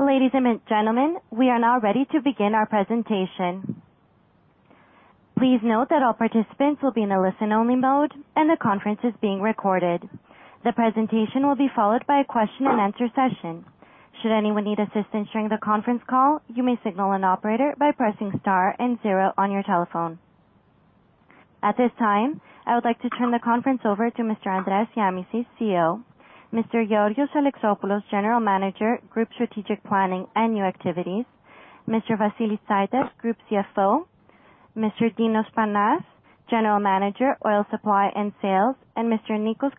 Ladies and gentlemen, we are now ready to begin our presentation. Please note that all participants will be in a listen-only mode and the conference is being recorded. The presentation will be followed by a question and answer session. Should anyone need assistance during the conference call, you may signal an operator by pressing star and zero on your telephone. At this time, I would like to turn the conference over to Mr. Andreas Shiamishis, CEO. Mr. Georgios Alexopoulos, general manager, group strategic planning and new activities. Mr. Vasilis Tsaitas, group CFO. Mr. Dinos Panas, General Manager, Oil Supply and Sales. And Mr. Nikos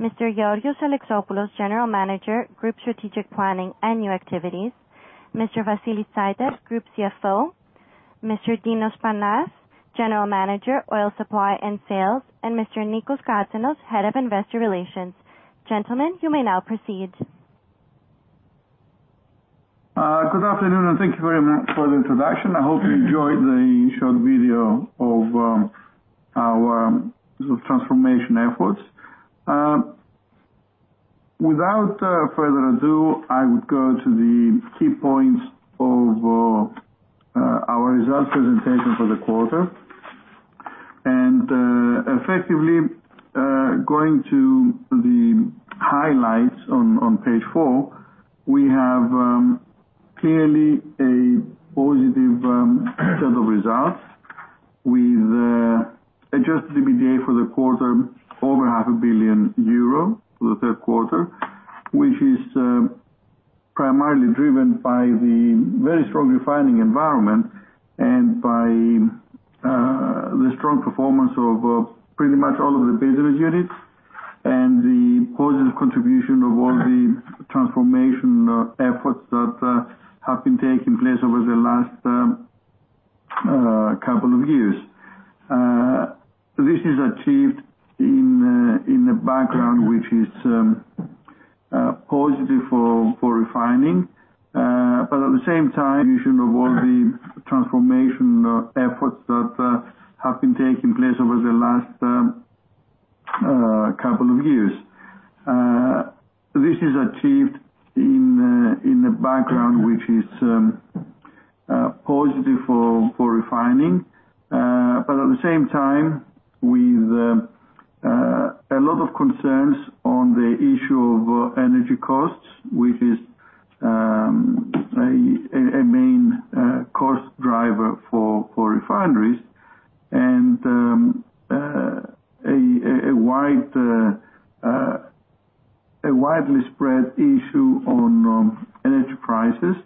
Katsanos, Head of Investor Relations. Gentlemen. You may now proceed. Good afternoon, and thank you very much for the introduction. I hope you enjoyed the short video of our transformation efforts. Without further ado, I would go to the key points of our results presentation for the quarter. Effectively, going to the highlights on page four, we have clearly a positive set of results with adjusted EBITDA for the quarter over half a billion euro for the third quarter, which is primarily driven by the very strong refining environment and by the strong performance of pretty much all of the business units and the positive contribution of all the transformation efforts that have been taking place over the last couple of years. This is achieved in the background, which is positive for refining. At the same time, you should avoid the transformation efforts that have been taking place over the last couple of years. This is achieved in the background, which is positive for refining. At the same time, with a lot of concerns on the issue of energy costs, which is a main cost driver for refineries. A widely spread issue on energy prices,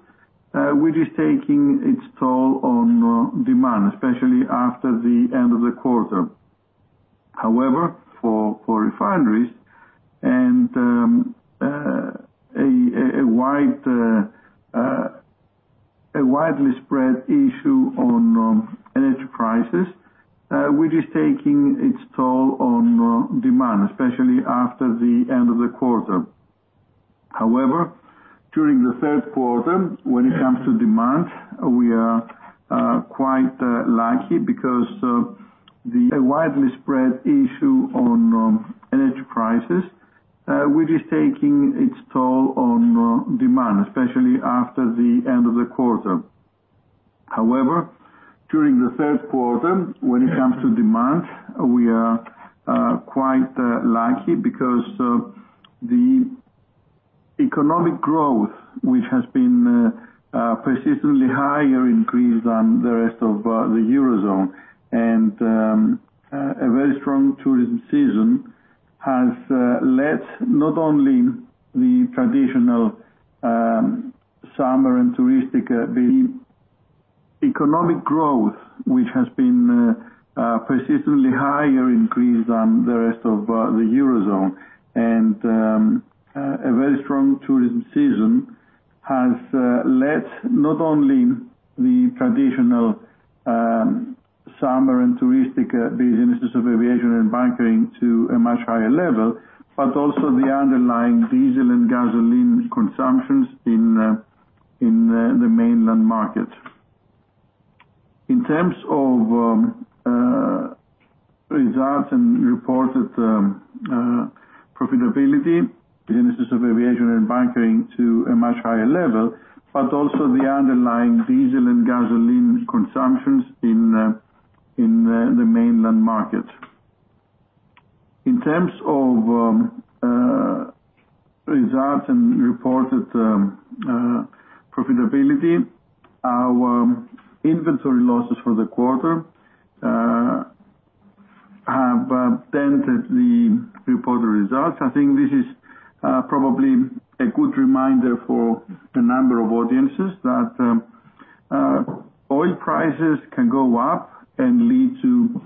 which is taking its toll on demand, especially after the end of the quarter. However, for refineries and a widely spread issue on energy prices, which is taking its toll on demand, especially after the end of the quarter. However, during the third quarter, when it comes to demand, we are quite lucky because the economic growth, which has been persistently higher in Greece than the rest of the Eurozone. A very strong tourism season has led not only the traditional summer and touristic. A very strong tourism season has led not only the traditional summer and touristic businesses of aviation and bunkering to a much higher level, but also the underlying diesel and gasoline consumptions in the mainland market. In terms of results and reported profitability, our inventory losses for the quarter have benefited the reported results. I think this is probably a good reminder for a number of audiences that oil prices can go up and lead to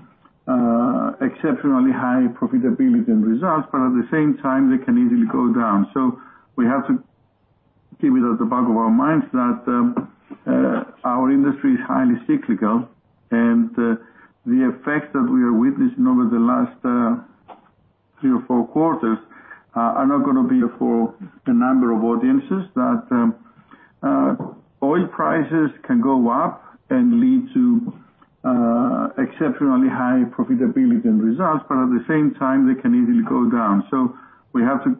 exceptionally high profitability and results, but at the same time, they can easily go down. We have to keep it at the back of our minds that our industry is highly cyclical and the effects that we are witnessing over the last three or four quarters are not gonna be for a number of quarters that oil prices can go up and lead to exceptionally high profitability and results, but at the same time, they can easily go down. We have to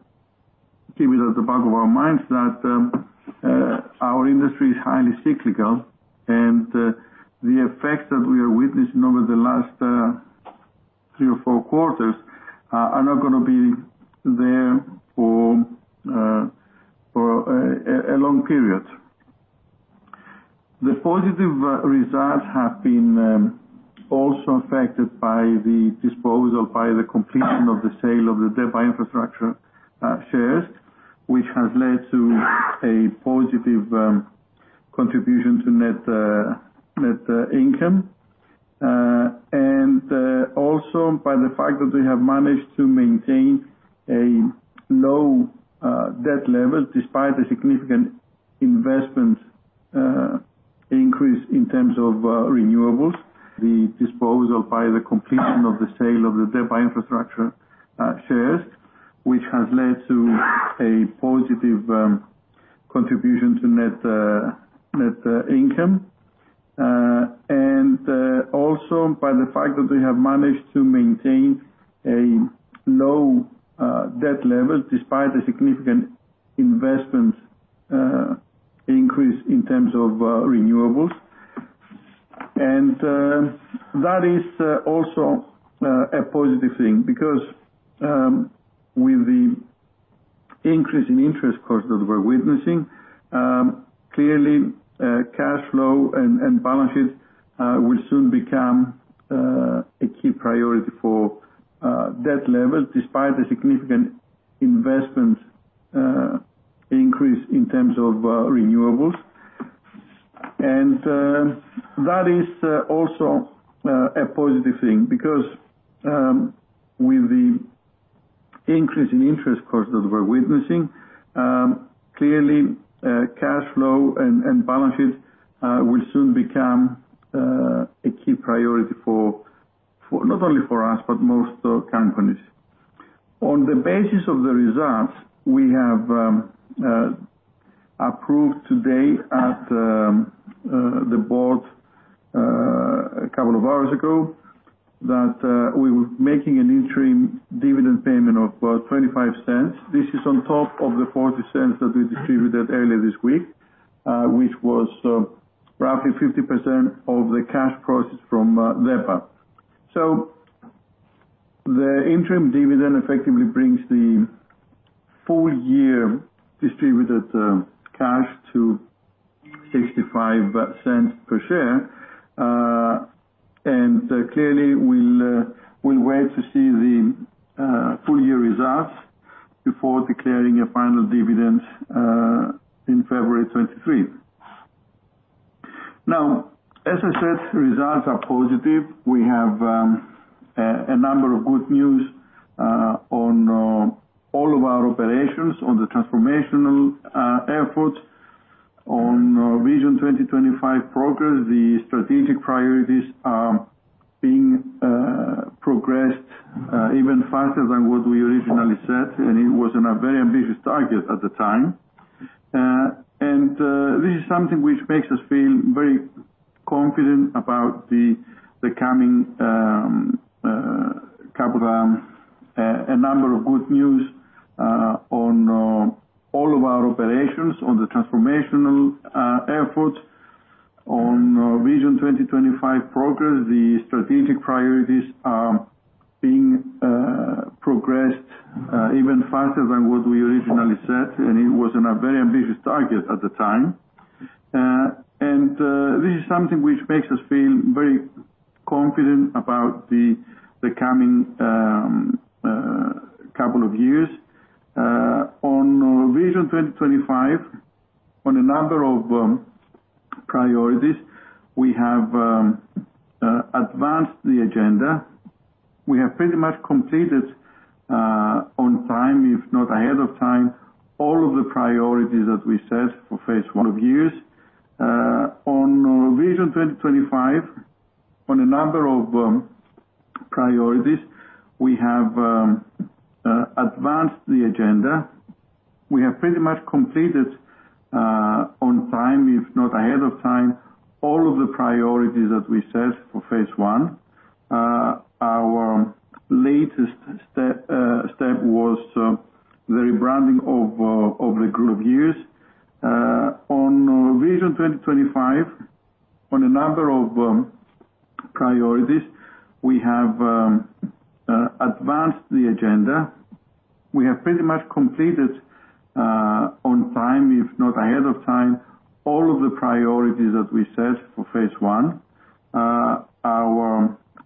keep it at the back of our minds that our industry is highly cyclical, and the effects that we are witnessing over the last three or four quarters are not gonna be there for a long period. The positive results have been also affected by the completion of the sale of the DEPA Infrastructure shares, which has led to a positive contribution to net income. Also by the fact that we have managed to maintain a low debt level despite the significant investment increase in terms of renewables. That is also a positive thing because, with the increase in interest costs that we're witnessing, clearly, cash flow and balance sheet will soon become a key priority for not only us, but most companies. On the basis of the results, we have approved today at the board, a couple of hours ago, that we were making an interim dividend payment of 0.25. This is on top of the 0.40 that we distributed earlier this week, which was roughly 50% of the cash proceeds from DEPA. The interim dividend effectively brings the full year distributed cash to 0.65 per share. Clearly, we'll wait to see the full year results before declaring a final dividend in February 2023. Now, as I said, results are positive. We have a number of good news on all of our operations on the transformational efforts on Vision 2025 progress. The strategic priorities are being progressed even faster than what we originally set, and it was a very ambitious target at the time. This is something which makes us feel very confident about a number of good news on all of our operations on the transformational efforts on Vision 2025 progress. The strategic priorities are being progressed even faster than what we originally set, and it was a very ambitious target at the time. This is something which makes us feel very confident about the coming couple of years. On Vision 2025, on a number of priorities, we have advanced the agenda. We have pretty much completed on time, if not ahead of time, all of the priorities that we set for phase one of years. On Vision 2025, on a number of priorities, we have advanced the agenda. We have pretty much completed on time, if not ahead of time, all of the priorities that we set for phase one. On Vision 2025, on a number of priorities, we have advanced the agenda. Our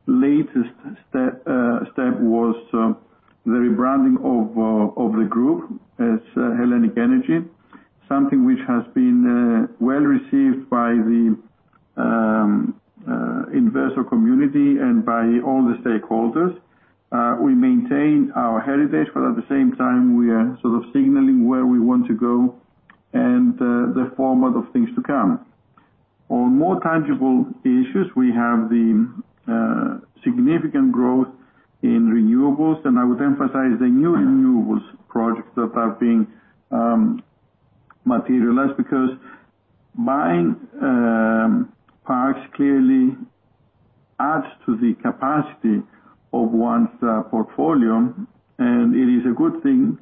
latest step was the rebranding of the group as HELLENiQ ENERGY, something which has been well-received by the investor community and by all the stakeholders. We maintain our heritage, but at the same time, we are sort of signaling where we want to go and the format of things to come. On more tangible issues, we have the significant growth in renewables, and I would emphasize the new renewables projects that are being materialized because buying parks clearly adds to the capacity of one's portfolio. It is a good thing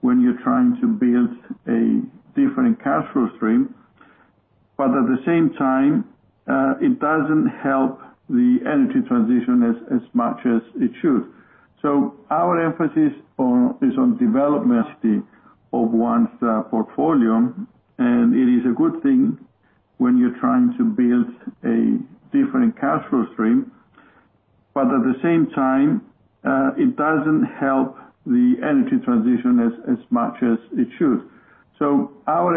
when you're trying to build a different cash flow stream, but at the same time, it doesn't help the energy transition as much as it should. Our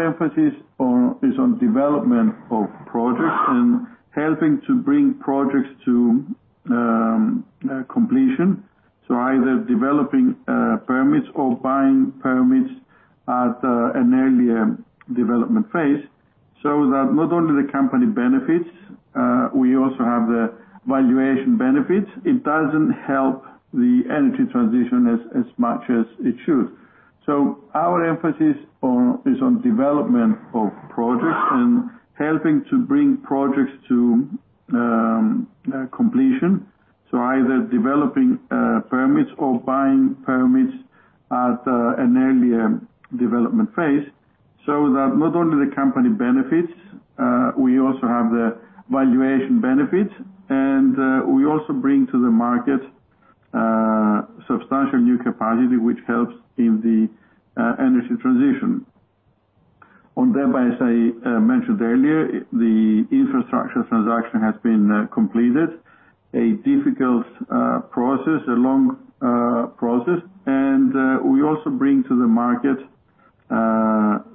emphasis is on development of projects and helping to bring projects to completion. Either developing permits or buying permits at an earlier development phase so that not only the company benefits, we also have the valuation benefits. It doesn't help the energy transition as much as it should. Our emphasis is on development of projects and helping to bring projects to completion. Either developing permits or buying permits at an earlier development phase so that not only the company benefits, we also have the valuation benefits. We also bring to the market substantial new capacity, which helps in the energy transition. On DEPA, as I mentioned earlier, the infrastructure transaction has been completed, a difficult process, a long process. We also bring to the market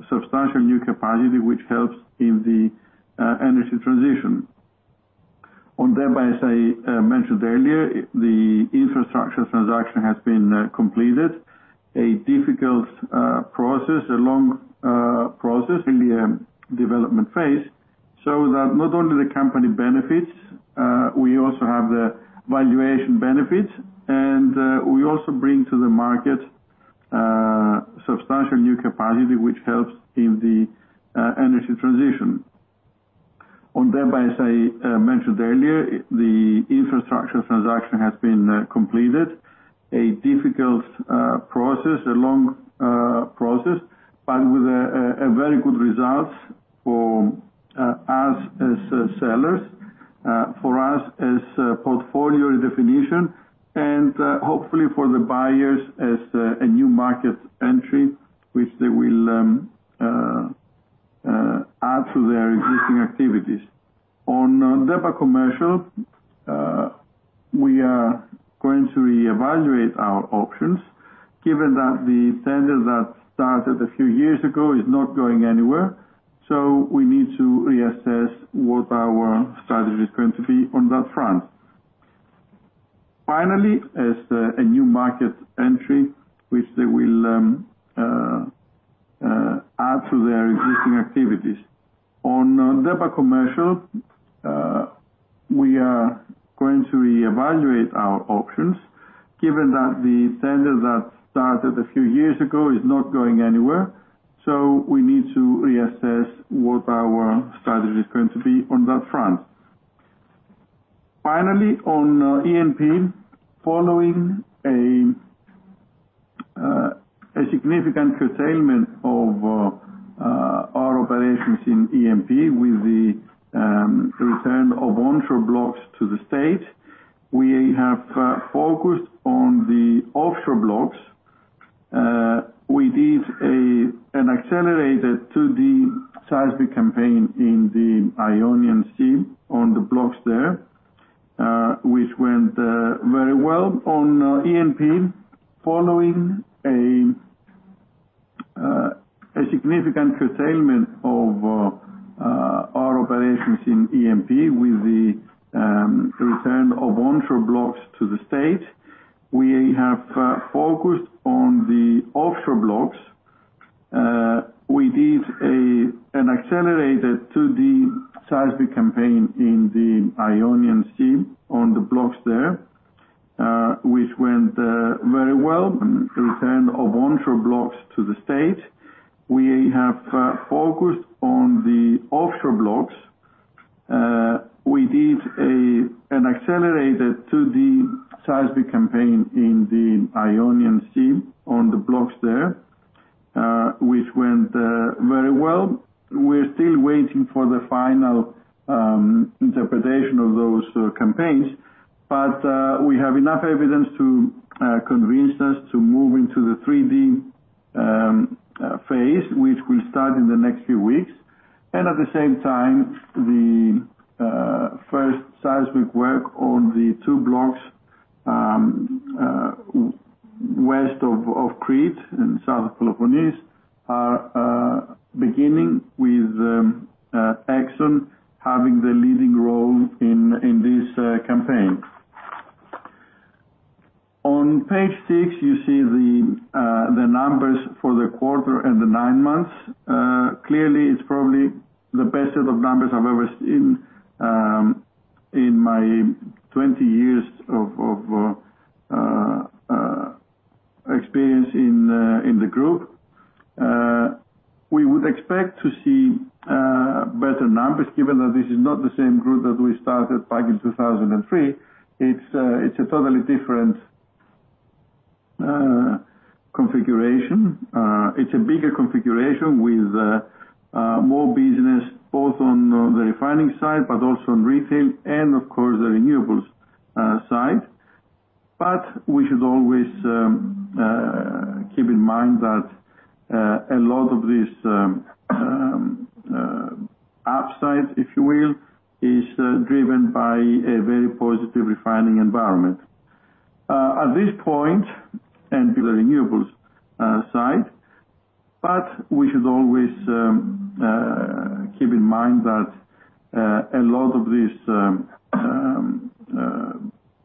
substantial new capacity, which helps in the energy transition. On DEPA, as I mentioned earlier, the infrastructure transaction has been completed, a difficult process, a long process. In the development phase, so that not only the company benefits, we also have the valuation benefits. We also bring to the market substantial new capacity, which helps in the energy transition. On DEPA, as I mentioned earlier, the infrastructure transaction has been completed, a difficult process, a long process, but with a very good results for us as sellers, for us as a portfolio redefinition and hopefully for the buyers as a new market entry, which they will add to their existing activities. On DEPA Commercial, we are going to reevaluate our options given that the tender that started a few years ago is not going anywhere. We need to reassess what our strategy is going to be on that front. Finally, as a new market entry, which they will add to their existing activities. On DEPA Commercial, we are going to reevaluate our options given that the tender that started a few years ago is not going anywhere. We need to reassess what our strategy is going to be on that front. Finally, on E&P, following a significant curtailment of our operations in E&P with the return of onshore blocks to the state, we have focused on the offshore blocks. We did an accelerated 2D seismic campaign in the Ionian Sea on the blocks there, which went very well. On E&P, following a significant curtailment of our operations in E&P with the return of onshore blocks to the state, we have focused on the offshore blocks. We did an accelerated 2D seismic campaign in the Ionian Sea on the blocks there, which went very well. We're still waiting for the final interpretation of those campaigns. We have enough evidence to convince us to move into the 3D phase, which will start in the next few weeks. At the same time, the first seismic work on the two blocks West of Crete and South Peloponnese are beginning with ExxonMobil having the leading role in this campaign. On page six, you see the numbers for the quarter and the nine months. Clearly, it's probably the best set of numbers I've ever seen in my 20 years of experience in the group. We would expect to see better numbers given that this is not the same group that we started back in 2003. It's a totally different configuration. It's a bigger configuration with more business, both on the refining side, but also on retail and of course, the renewables side. We should always keep in mind that a lot of this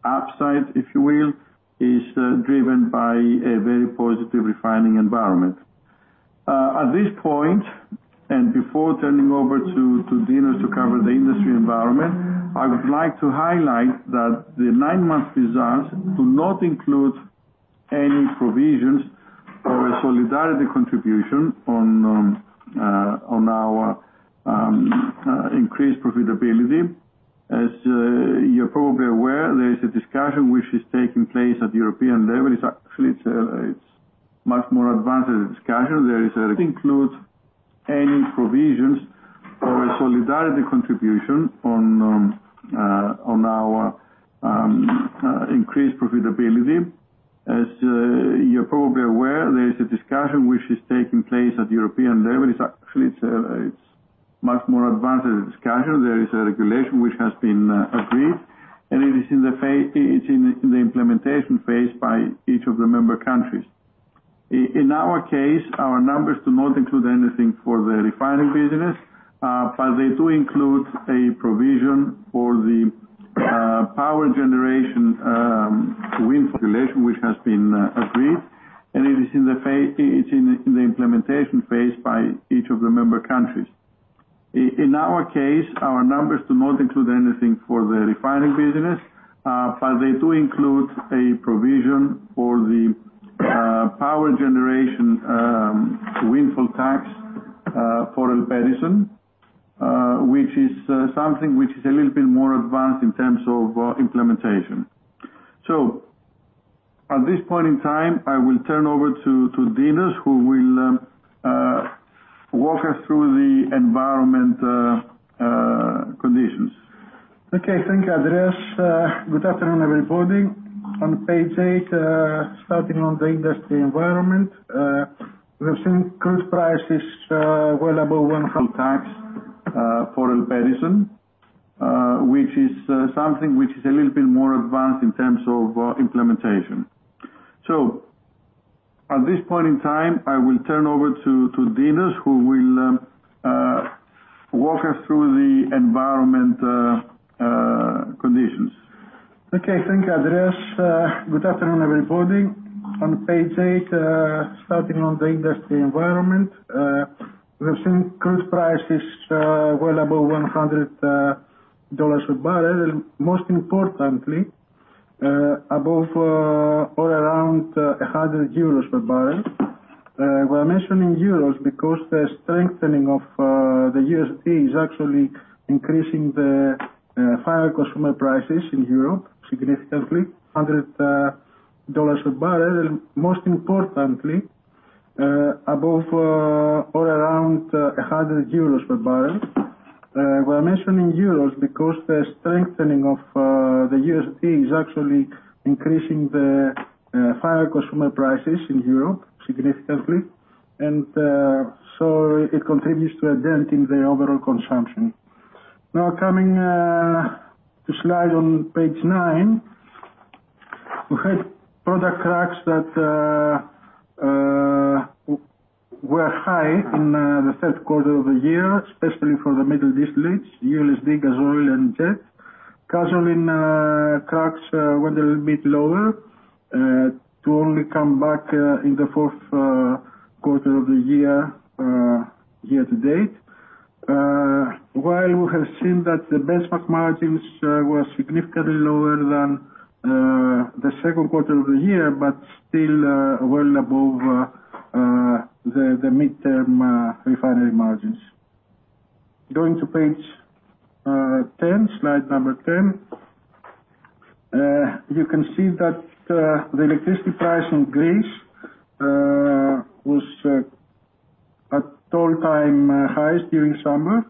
upside, if you will, is driven by a very positive refining environment. At this point and the renewables side, and before turning over to Dinos to cover the industry environment, I would like to highlight that the nine-month results do not include any provisions for a solidarity contribution on our increased profitability. As you're probably aware, there is a discussion which is taking place at the European level. It's actually much more advanced discussion. includes any provisions for a solidarity contribution on our increased profitability. As you're probably aware, there is a discussion which is taking place at the European level. It's actually much more advanced discussion. There is a regulation which has been agreed, and it is in the implementation phase by each of the member countries. In our case, our numbers do not include anything for the refining business, but they do include a provision for the power generation windfall tax for ELPEDISON, which is something which is a little bit more advanced in terms of implementation. At this point in time, I will turn over to Dinos, who will walk us through the environment conditions. Okay. Thank you, Andreas. Good afternoon, everybody. On page eight, starting on the industry environment, we have seen crude prices well above $100 per barrel, and most importantly, above or around 100 euros per barrel. We're mentioning euros because the strengthening of the USD is actually increasing the higher consumer prices in Europe significantly. $100 per barrel, and most importantly, above or around 100 euros per barrel. We're mentioning euros because the strengthening of the USD is actually increasing the higher consumer prices in Europe significantly and so it contributes to a dent in the overall consumption. Now coming to slide on page nine. We had product cracks that were high in the third quarter of the year, especially for the middle distillates, USD gasoil and jet. Gasoline cracks went a little bit lower to only come back in the fourth quarter of the year to date. While we have seen that the benchmark margins were significantly lower than the second quarter of the year, but still well above the midterm refinery margins. Going to page 10, slide number 10. You can see that the electricity price in Greece was at all-time highs during summer.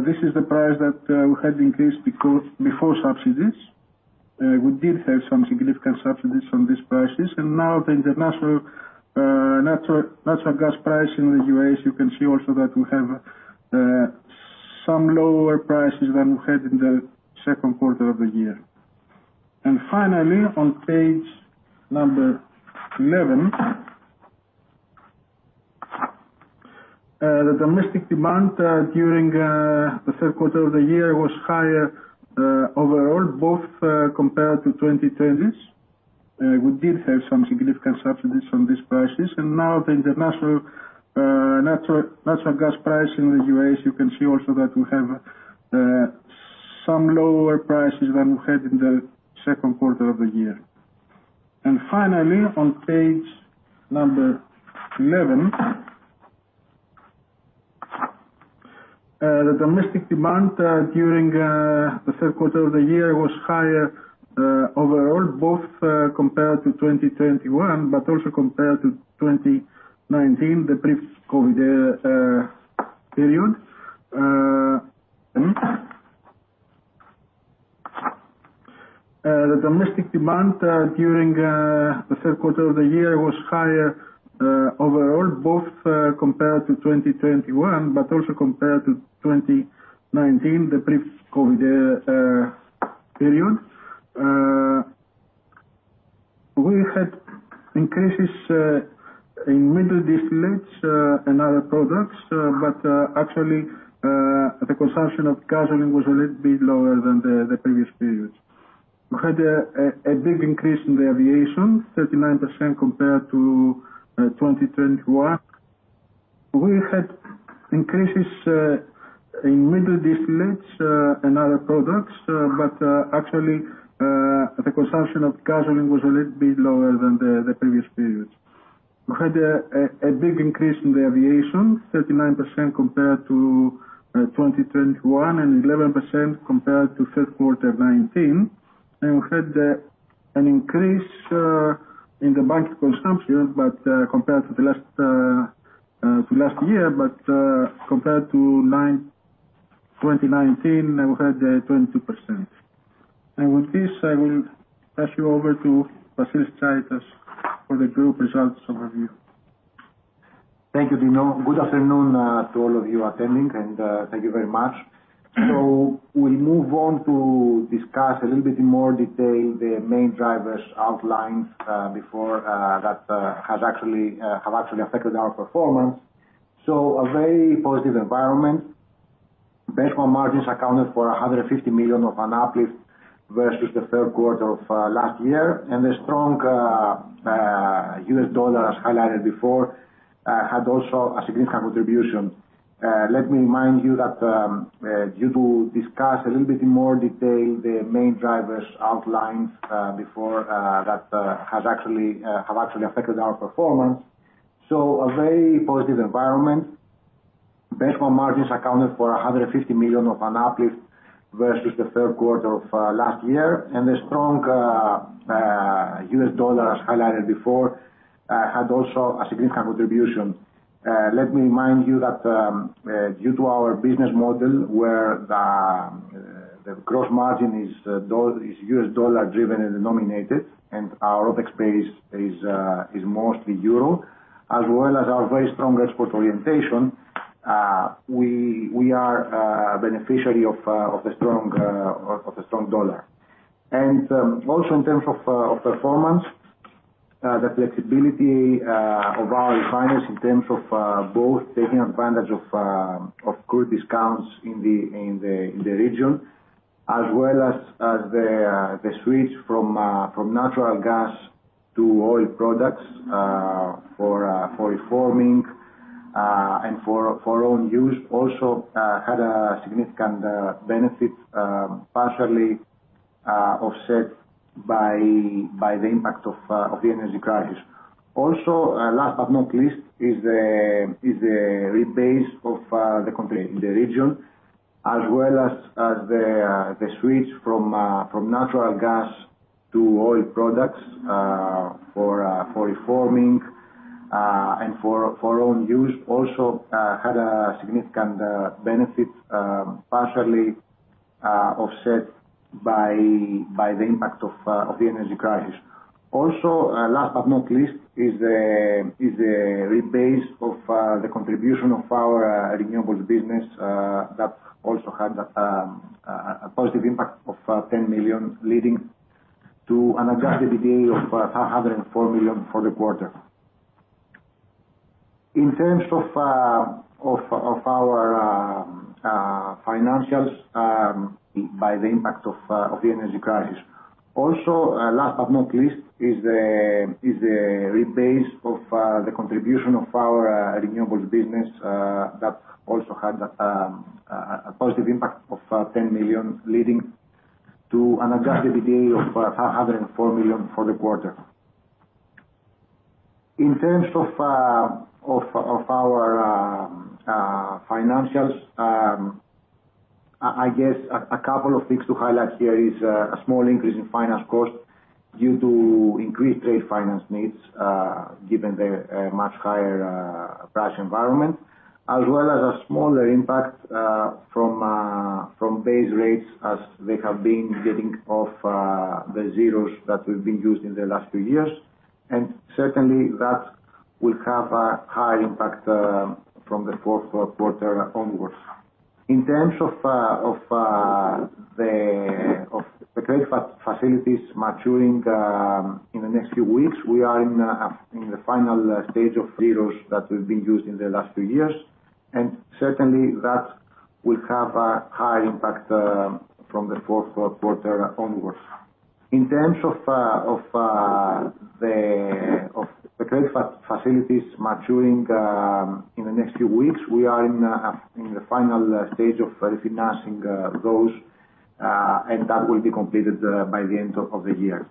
This is the price that we had increased because before subsidies. We did have some significant subsidies on these prices. Now the international natural gas price in the U.S., you can see also that we have some lower prices than we had in the second quarter of the year. Finally, on page number 11. The domestic demand during the third quarter of the year was higher overall both compared to 2020. We did have some significant subsidies from these prices. Now the international natural gas price in the U.S., you can see also that we have some lower prices than we had in the second quarter of the year. Finally, on page 11. The domestic demand during the third quarter of the year was higher overall, both compared to 2021, but also compared to 2019, the pre-COVID period. We had increases in middle distillates and other products, but actually the consumption of gasoline was a little bit lower than the previous periods. We had a big increase in the aviation, 39% compared to 2021. We had increases in middle distillates and other products, but actually, the consumption of gasoline was a little bit lower than the previous periods. We had a big increase in the aviation, 39% compared to 2021, and 11% compared to third quarter 2019. We had an increase in the bunkering, but compared to last year, but compared to 2019, we had 20%. With this, I will pass you over to Vasilis Tsaitas for the group results overview. Thank you, Dinos. Good afternoon, to all of you attending and, thank you very much. We move on to discuss a little bit in more detail the main drivers outlined before that have actually affected our performance. A very positive environment. Benchmark margins accounted for 150 million of an uplift versus the third quarter of last year. The strong US dollar, as highlighted before, had also a significant contribution. The strong US dollar, as highlighted before, had also a significant contribution. Let me remind you that, due to our business model where the gross margin is US dollar-driven and denominated, and our OpEx base is mostly Euro, as well as our very strong export orientation, we are beneficiary of the strong dollar. also in terms of performance, the flexibility of our refiners in terms of both taking advantage of crude discounts in the region, as well as the switch from natural gas to oil products for reforming and for own use, also had a significant benefit, partially offset by the impact of the energy crisis. Also, last but not least, is the rebase of the country, the region, as well as the switch from natural gas to oil products for reforming and for own use, also had a significant benefit, partially offset by the impact of the energy crisis. Also, last but not least, is the rebase of the contribution of our renewables business that also had a positive impact of 10 million, leading to an adjusted EBITDA of 104 million for the quarter. In terms of our financials by the impact of the energy crisis. Also, last but not least, is the rebase of the contribution of our renewables business that also had a positive impact of 10 million, leading to an adjusted EBITDA of 104 million for the quarter. In terms of our financials, I guess a couple of things to highlight here is a small increase in finance cost due to increased trade finance needs given the much higher price environment, as well as a smaller impact from base rates as they have been getting off the zeros that we've been using the last few years. Certainly that will have a high impact from the fourth quarter onwards. In terms of the credit facilities maturing in the next few weeks, we are in the final stage of zeros that we've been using the last few years. Certainly that will have a high impact from the fourth quarter onwards. In terms of the credit facilities maturing in the next few weeks, we are in the final stage of refinancing those, and that will be completed by the end of the year.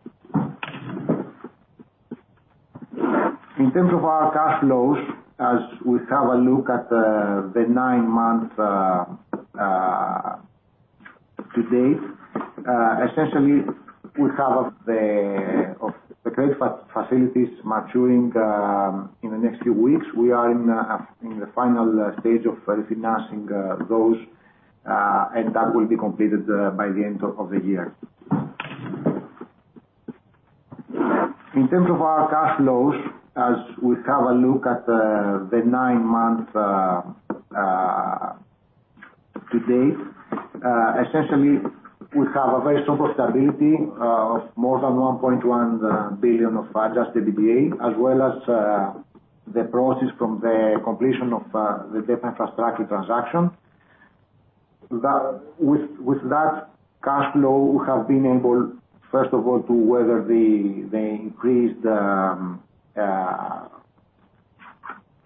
In terms of our cash flows, as we have a look at the nine-month to date, essentially we have the credit facilities maturing in the next few weeks, we are in the final stage of refinancing those, and that will be completed by the end of the year. In terms of our cash flows, as we look at the nine-month to date, essentially we have a very strong profitability of more than 1.1 billion of adjusted EBITDA, as well as the proceeds from the completion of the DEPA Infrastructure transaction. With that cash flow, we have been able, first of all, to weather the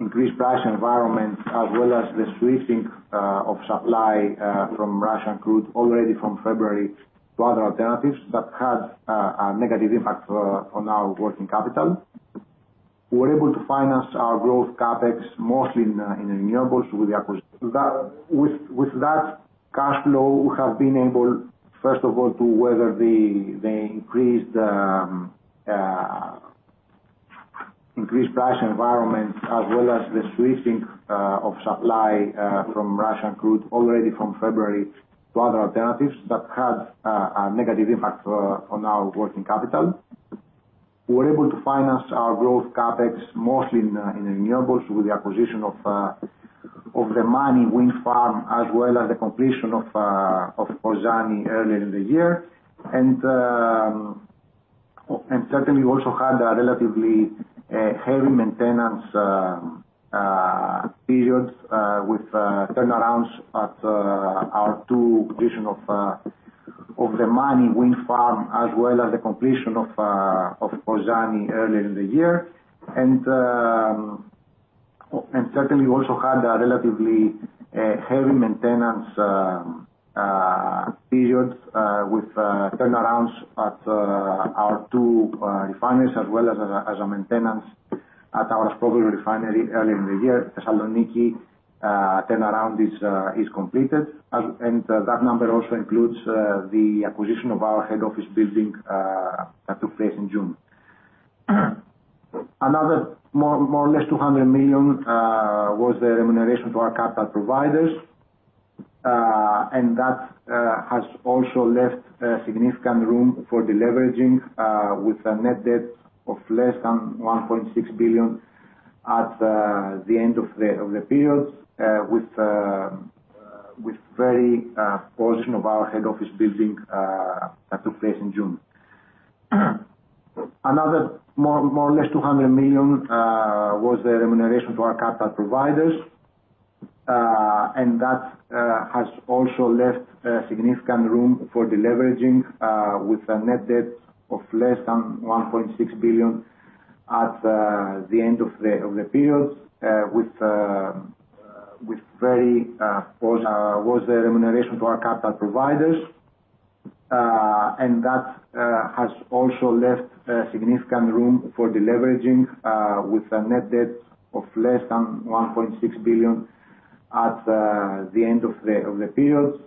increased price environment, as well as the switching of supply from Russian crude already from February to other alternatives that had a negative impact on our working capital. We're able to finance our growth CapEx mostly in renewables with the acquisition. With that cash flow, we have been able, first of all, to weather the increased price environment, as well as the switching of supply from Russian crude already from February to other alternatives that had a negative impact on our working capital. We're able to finance our growth CapEx mostly in renewables with the acquisition of the Mani Wind Farm, as well as the completion of Kozani earlier in the year. Certainly we also had a relatively heavy maintenance period with turnarounds at our two refineries earlier in the year. Certainly we also had a relatively heavy maintenance period with turnarounds at our two refineries, as well as a maintenance at our Aspropyrgos Refinery earlier in the year. Thessaloniki turnaround is completed. That number also includes the acquisition of our head office building that took place in June. More or less 200 million was the remuneration to our capital providers. That has also left a significant room for deleveraging with a net debt of less than 1.6 billion at the end of the period. More or less 200 million was the remuneration to our capital providers. That has also left a significant room for deleveraging, with a net debt of less than 1.6 billion at the end of the period,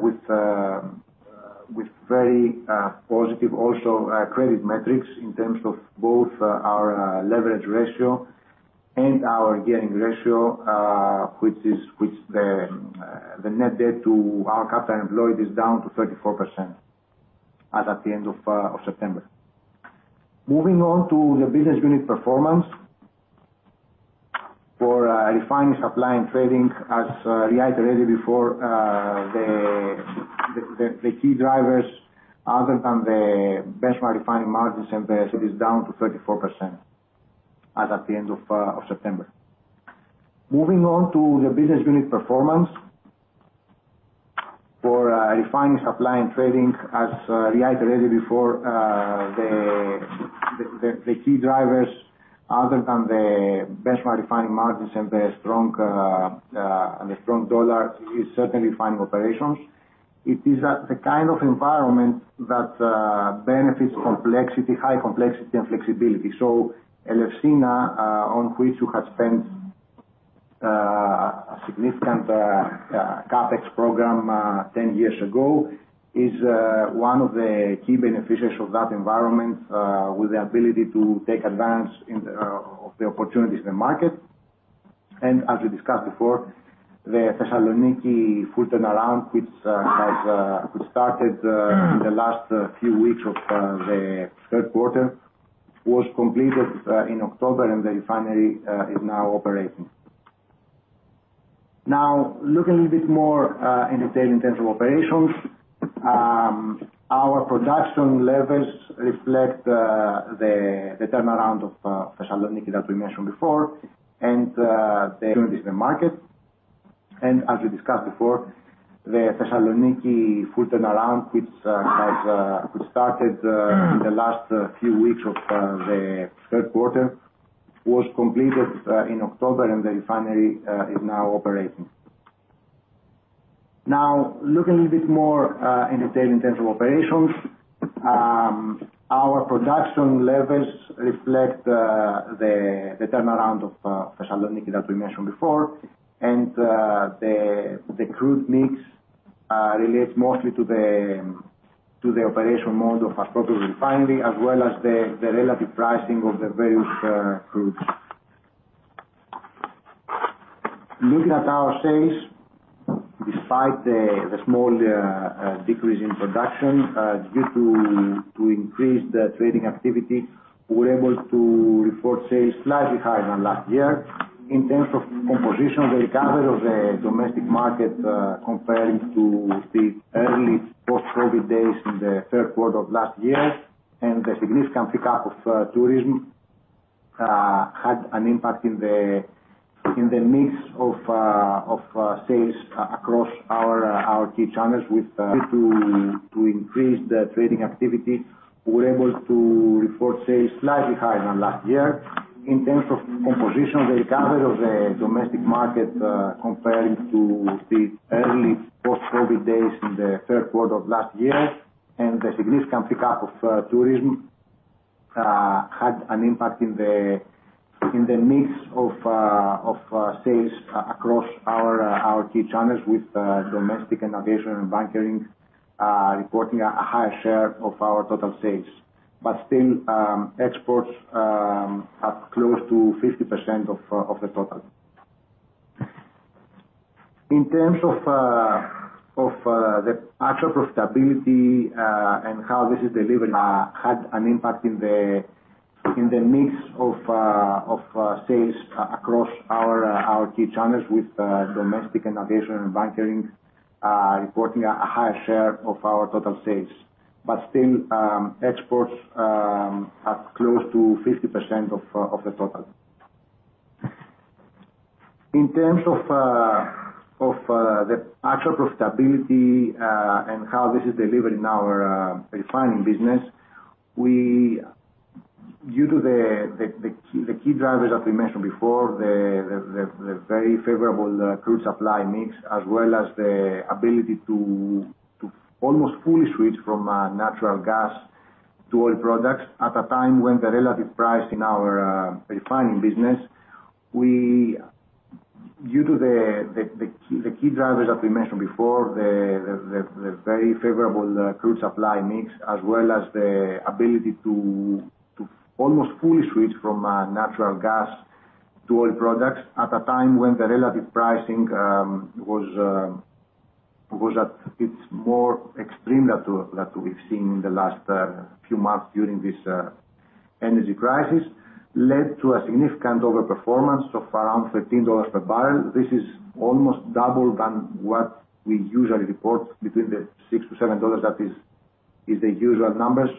with very positive also credit metrics in terms of both our leverage ratio and our gearing ratio, which the net debt to our capital employed is down to 34% as at the end of September. Moving on to the business unit performance. For refining, supplying, trading, as reiterated before, the key drivers other than the benchmark refining margins and the strong dollar is certainly refining operations. It is the kind of environment that benefits complexity, high complexity and flexibility. Elefsina, on which we had spent a significant CapEx program 10 years ago, is one of the key beneficiaries of that environment, with the ability to take advantage of the opportunities in the market. As we discussed before, the Thessaloniki full turnaround, which has started in the last few weeks of the third quarter, was completed in October, and the refinery is now operating. Now looking a bit more in detail in terms of operations, our production levels reflect the turnaround of Thessaloniki that we mentioned before. As we discussed before, the Thessaloniki full turnaround, which has started in the last few weeks of the third quarter, was completed in October, and the refinery is now operating. The crude mix relates mostly to the operation mode of our total refinery, as well as the relative pricing of the various groups. Looking at our sales, despite the small decrease in production due to increased trading activity, we're able to report sales slightly higher than last year. In terms of composition, the recovery of the domestic market comparing to the early post-COVID days in the third quarter of last year, and the significant pickup of tourism had an impact in the mix of sales across our key channels with increased trading activity, we're able to report sales slightly higher than last year. In terms of composition, the recovery of the domestic market, comparing to the early post-COVID days in the third quarter of last year, and the significant pickup of tourism had an impact in the mix of sales across our key channels with domestic and aviation and bunkering reporting a higher share of our total sales. Still, exports have close to 50% of the total. In terms of the actual profitability and how this is delivered in had an impact in the mix of sales across our key channels with domestic and aviation and bunkering reporting a higher share of our total sales. Still, exports have close to 50% of the total. In terms of the actual profitability and how this is delivered in our refining business, due to the key drivers that we mentioned before, the very favorable crude supply mix, as well as the ability to almost fully switch from natural gas to oil products at a time when the relative price in our refining business. Due to the key drivers that we mentioned before, the very favorable crude supply mix, as well as the ability to almost fully switch from natural gas to oil products at a time when the relative pricing was at its more extreme that we've seen in the last few months during this energy crisis, led to a significant overperformance of around $13 per barrel. This is almost double than what we usually report between $6-$7. That is the usual numbers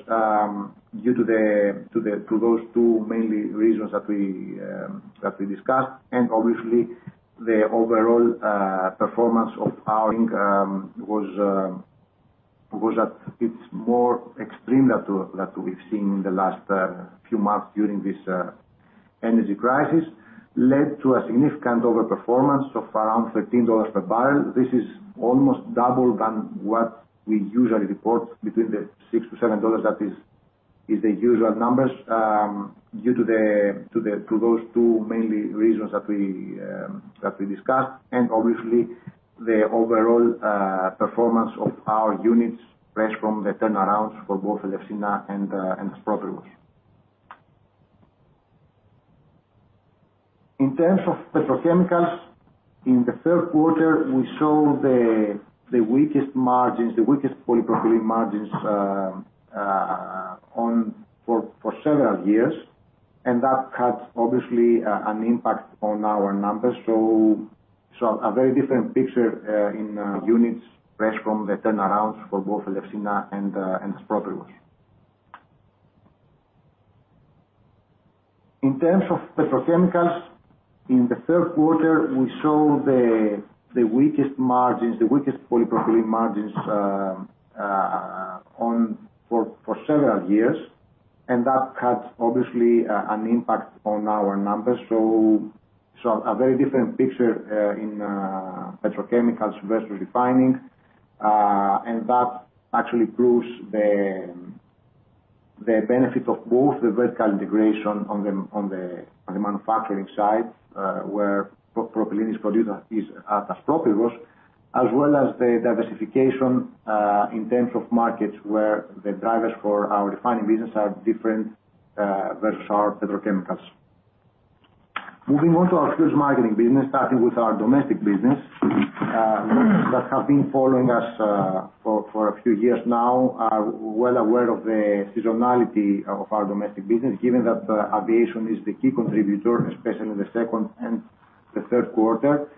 due to those two mainly reasons that we discussed. Obviously, the overall performance of our was at its most extreme that we've seen in the last few months during this energy crisis led to a significant overperformance of around $13 per barrel. This is almost double than what we usually report between $6-$7. Those are the usual numbers due to those two main reasons that we discussed. Obviously, the overall performance of our units fresh from the turnarounds for both Elefsina and Aspropyrgos. In terms of petrochemicals, in the third quarter, we saw the weakest margins, the weakest polypropylene margins for several years, and that had obviously an impact on our numbers. A very different picture in units fresh from the turnarounds for both Elefsina and Aspropyrgos. In terms of petrochemicals, in the third quarter, we saw the weakest margins, the weakest polypropylene margins for several years, and that had obviously an impact on our numbers. A very different picture in petrochemicals versus refining, and that actually proves the benefit of both the vertical integration on the manufacturing side, where propylene is produced at Aspropyrgos. As well as the diversification in terms of markets where the drivers for our refining business are different versus our petrochemicals. Moving on to our fuels marketing business, starting with our domestic business, that have been following us, for a few years now, are well aware of the seasonality of our domestic business, given that, aviation is the key contributor, especially in the second and the third quarter.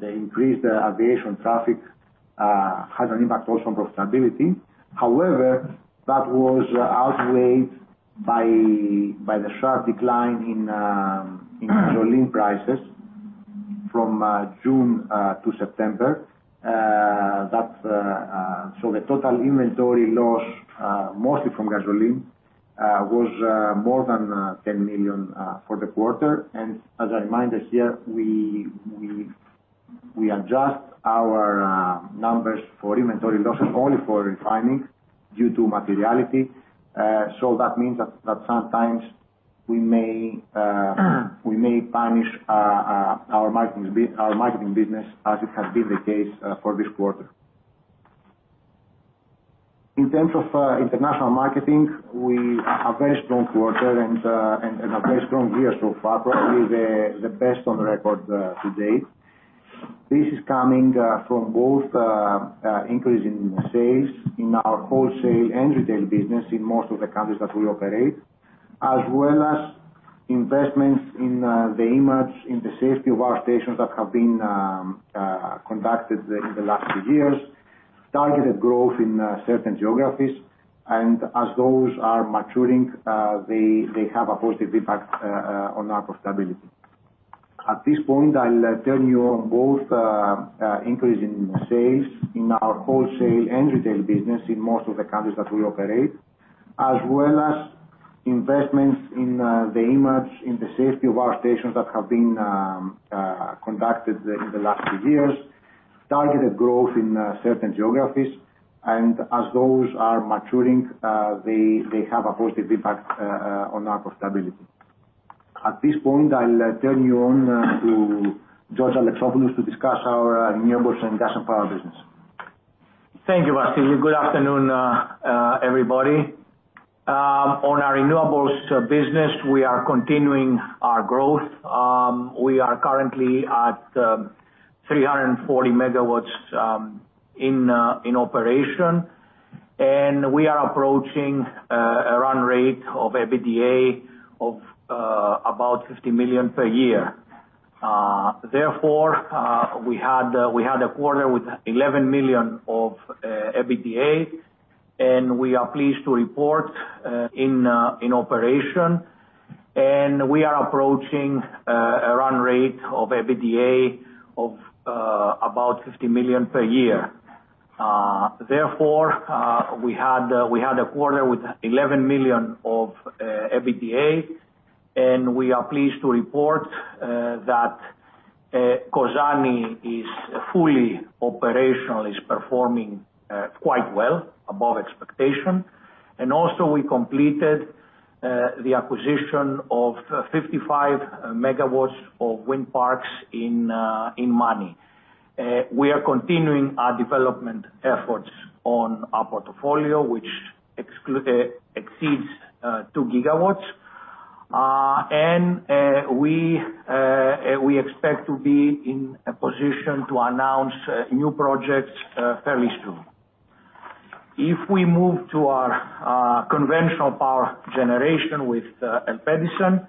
The increased aviation traffic has an impact also on profitability. However, that was outweighed by the sharp decline in gasoline prices from June to September. That's the total inventory loss, mostly from gasoline, was more than 10 million for the quarter. As a reminder here, we adjust our numbers for inventory losses only for refining due to materiality. That means that sometimes we may punish our marketing business, as it has been the case for this quarter. In terms of international marketing, we have a very strong quarter and a very strong year so far, probably the best on record to date. This is coming from both increase in sales in our wholesale and retail business in most of the countries that we operate, as well as investments in the image and the safety of our stations that have been conducted in the last few years, targeted growth in certain geographies. As those are maturing, they have a positive impact on our profitability. At this point, I'll touch on both increase in sales in our wholesale and retail business in most of the countries that we operate, as well as investments in the image and the safety of our stations that have been conducted in the last few years, targeted growth in certain geographies. As those are maturing, they have a positive impact on our profitability. At this point, I'll turn it over to Georgios Alexopoulos to discuss our renewables and gas and power business. Thank you, Vassilis. Good afternoon, everybody. On our renewables business, we are continuing our growth. We are currently at 340 MW in operation, and we are approaching a run rate of EBITDA of about 50 million per year. Therefore, we had a quarter with 11 million of EBITDA, and we are pleased to report that Kozani is fully operational, is performing quite well, above expectation. We also completed the acquisition of 55 MW of wind parks in Mani. We are continuing our development efforts on our portfolio, which exceeds 2 GW. We expect to be in a position to announce new projects fairly soon. If we move to our conventional power generation with ELPEDISON.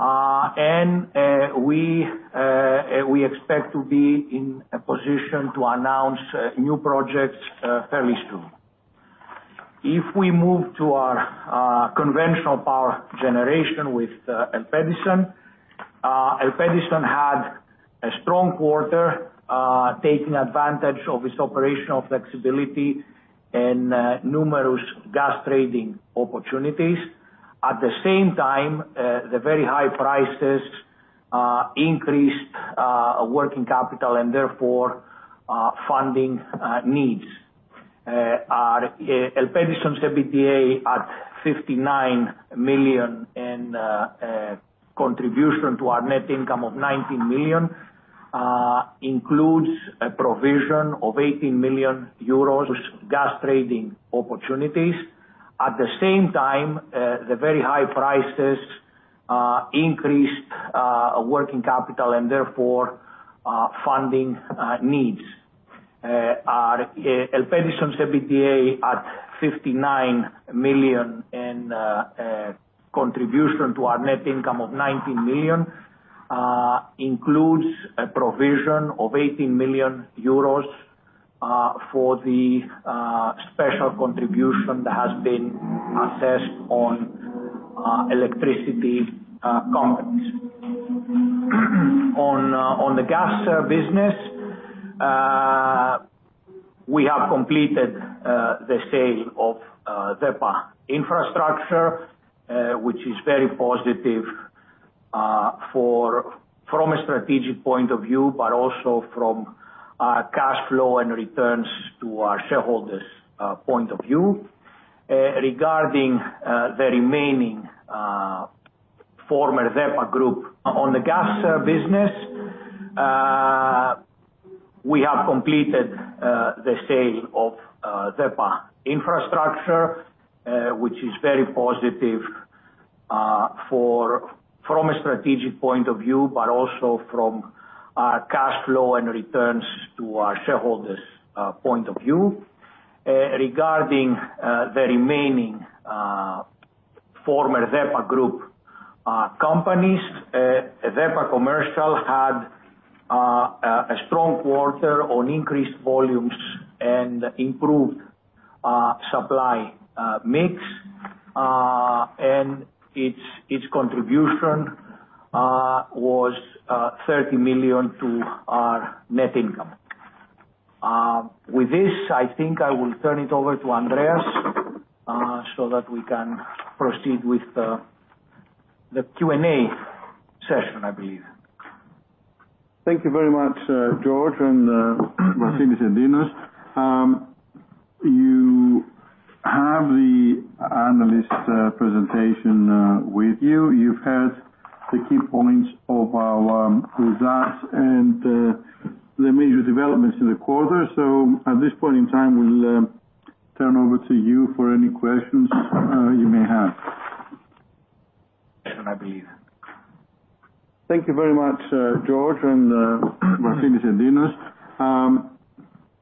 ELPEDISON had a strong quarter, taking advantage of its operational flexibility and numerous gas trading opportunities. At the same time, the very high prices increased working capital and therefore funding needs. Our ELPEDISON's EBITDA at 59 million and contribution to our net income of 19 million includes a provision of 18 million euros for the special contribution that has been assessed on electricity companies. At the same time, the very high prices increased working capital and therefore funding needs. On the gas business. We have completed the sale of DEPA Infrastructure, which is very positive from a strategic point of view, but also from cash flow and returns to our shareholders' point of view. Regarding the remaining former DEPA Group companies, DEPA Commercial had a strong quarter on increased volumes and improved supply mix. Its contribution was 30 million to our net income. With this, I think I will turn it over to Andreas, so that we can proceed with the Q&A session, I believe. Thank you very much, George, and Vasilis and Dinos.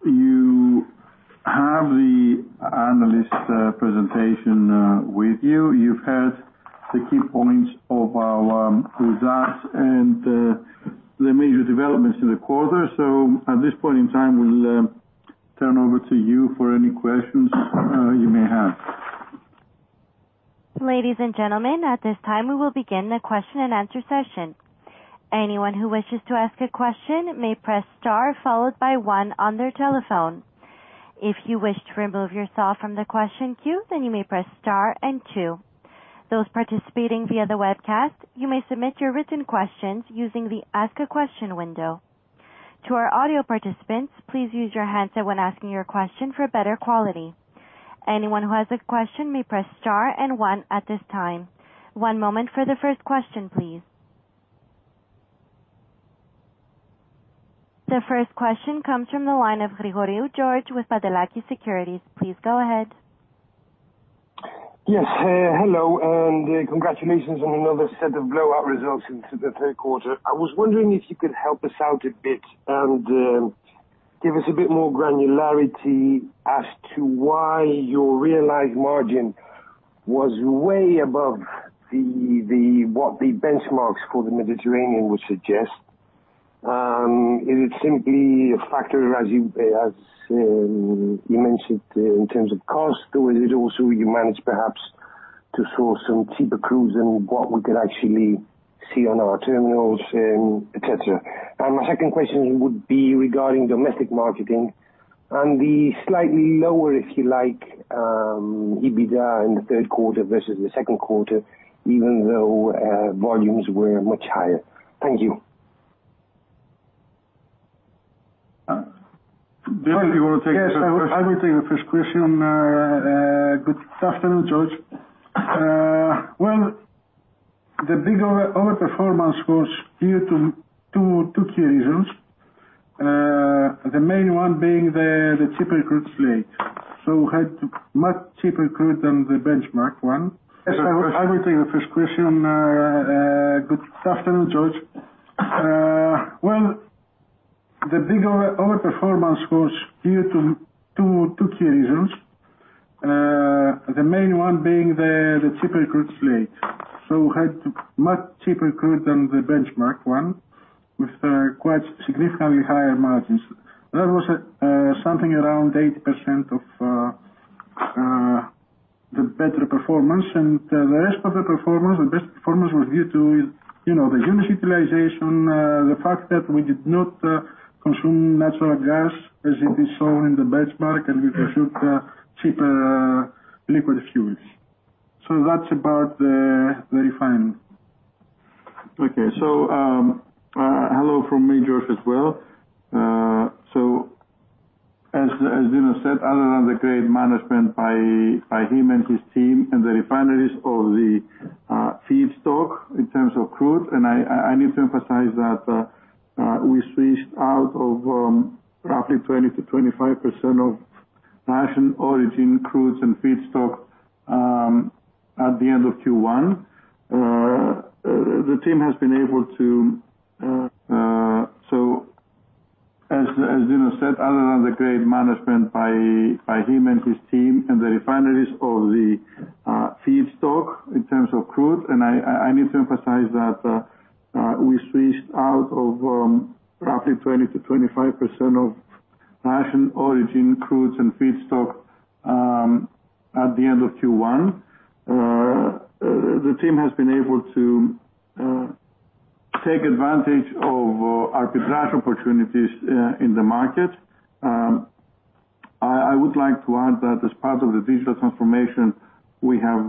You have the analyst presentation with you. You've heard the key points of our results and the major developments in the quarter. At this point in time, we'll turn over to you for any questions you may have. I believe. Thank you very much, George, and Vasilis and Dinos. You have the analyst presentation with you. You've had the key points of our results and the major developments in the quarter. At this point in time, we'll turn over to you for any questions you may have. Ladies and gentlemen, at this time, we will begin the question-and-answer session. Anyone who wishes to ask a question may press star followed by one on their telephone. If you wish to remove yourself from the question queue, then you may press star and two. Those participating via the webcast, you may submit your written questions using the Ask a Question window. To our audio participants, please use your headset when asking your question for better quality. Anyone who has a question may press star and one at this time. One moment for the first question, please. The first question comes from the line of George Grigoriou with Papadakis Securities. Please go ahead. Yes. Hello, and congratulations on another set of blowout results in the third quarter. I was wondering if you could help us out a bit and give us a bit more granularity as to why your realized margin was way above what the benchmarks for the Mediterranean would suggest. Is it simply a factor, as you mentioned in terms of cost? Or is it also you managed perhaps to source some cheaper crudes than what we could actually see on our terminals, et cetera? And my second question would be regarding domestic marketing and the slightly lower, if you like, EBITDA in the third quarter versus the second quarter, even though volumes were much higher. Thank you. Do you want to take the first question? Yes, I will take the first question. Good afternoon, George. Well, the big overperformance was due to two key reasons. The main one being the cheaper crude slate. We had much cheaper crude than the benchmark one, with quite significantly higher margins. That was something around 8% of the better performance. The rest of the performance, the best performance was due to you know the unit utilization, the fact that we did not consume natural gas as it is shown in the benchmark, and we consumed cheaper liquid fuels. That's about the refinery. Okay. Hello from me, George, as well. As Dinos said, other than the great management by him and his team and the refineries of the feedstock in terms of crude, and I need to emphasize that, we switched out of roughly 20%-25% of Russian origin crudes and feedstock at the end of Q1. The team has been able to take advantage of arbitrage opportunities in the market. I would like to add that as part of the digital transformation we have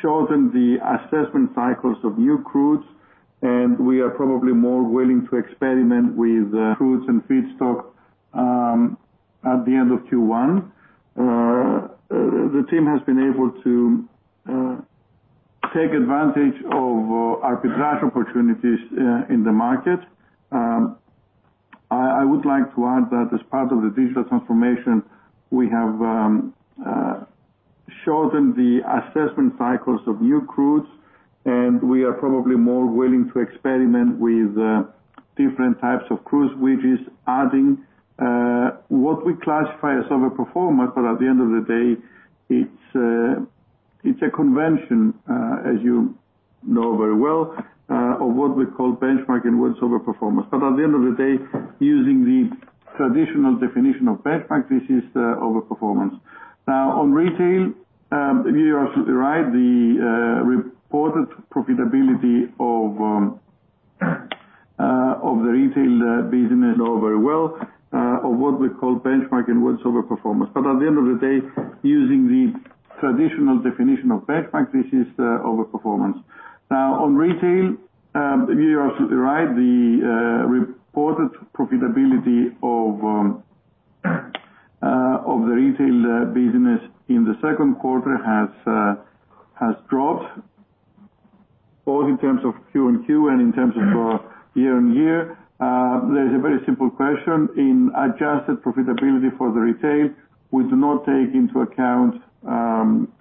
shortened the assessment cycles of new crudes, and we are probably more willing to experiment with crudes and feedstock. At the end of Q1, the team has been able to take advantage of arbitrage opportunities in the market. I would like to add that as part of the digital transformation we have shortened the assessment cycles of new crudes, and we are probably more willing to experiment with different types of crudes, which is adding what we classify as over-performance. At the end of the day, it's a convention, as you know very well, of what we call benchmark and what's over-performance. At the end of the day, using the traditional definition of benchmark, this is over-performance. Now, on retail, you're absolutely right. The reported profitability of the retail business in the second quarter has dropped both in terms of Q on Q and in terms of year on year. There's a very simple question. In adjusted profitability for the retail, we do not take into account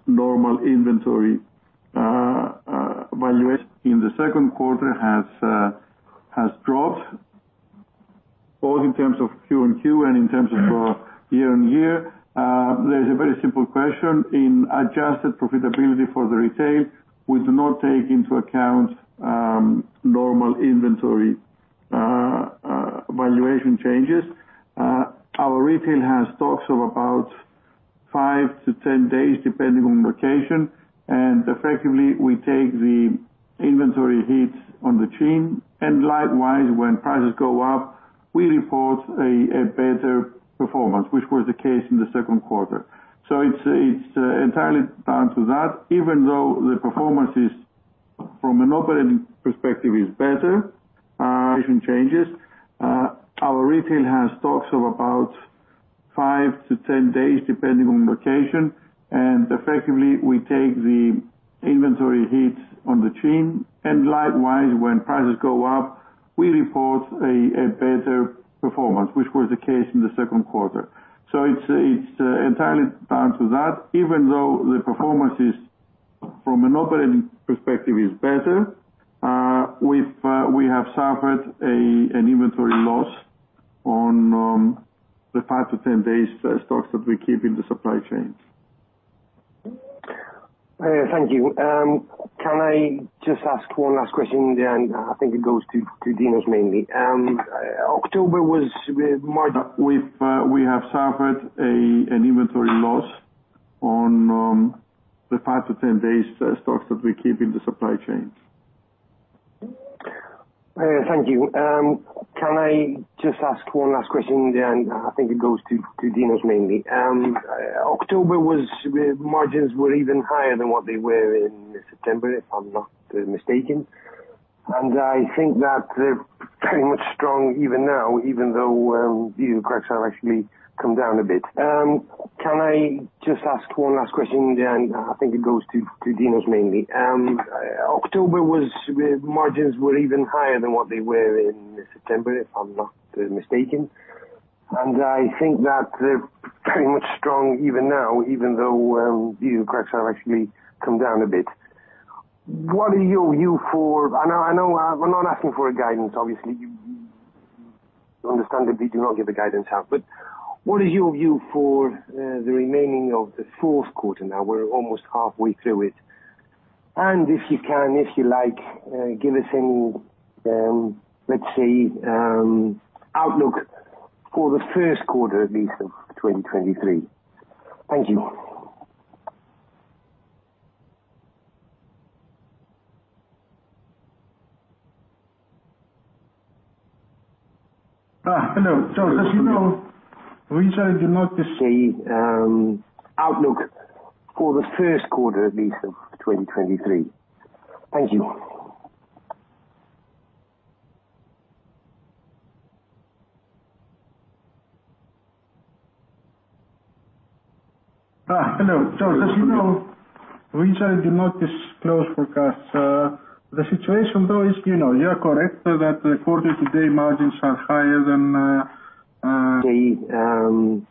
normal inventory valuation. In the second quarter has dropped both in terms of Q-on-Q and in terms of year-on-year. There's a very simple question. In adjusted profitability for the retail, we do not take into account normal inventory valuation changes. Our retail has stocks of about 5-10 days, depending on location, and effectively we take the inventory hits on the chin. Likewise, when prices go up, we report a better performance, which was the case in the second quarter. It's entirely down to that. Even though the performance from an operating perspective is better action changes. Our retail has stocks of about 5-10 days, depending on location, and effectively we take the inventory hits on the chin. Likewise, when prices go up, we report a better performance, which was the case in the second quarter. It's entirely down to that. Even though the performance from an operating perspective is better, we have suffered an inventory loss on the 5-10 days stocks that we keep in the supply chains. Thank you. Can I just ask one last question then? I think it goes to Dinos mainly. October was We have suffered an inventory loss on the 5-10 days stocks that we keep in the supply chains. Thank you. Can I just ask one last question then? I think it goes to Dinos mainly. Margins were even higher than what they were in September, if I'm not mistaken, and I think that they're pretty much strong even now, even though you guys have actually come down a bit. What are your view for? I know. We're not asking for a guidance, obviously. You understandably do not give the guidance out. What is your view for the remaining of the fourth quarter now? We're almost halfway through it. If you can, if you like, give us any, let's say, outlook for the first quarter at least of 2023. Thank you. Hello. As you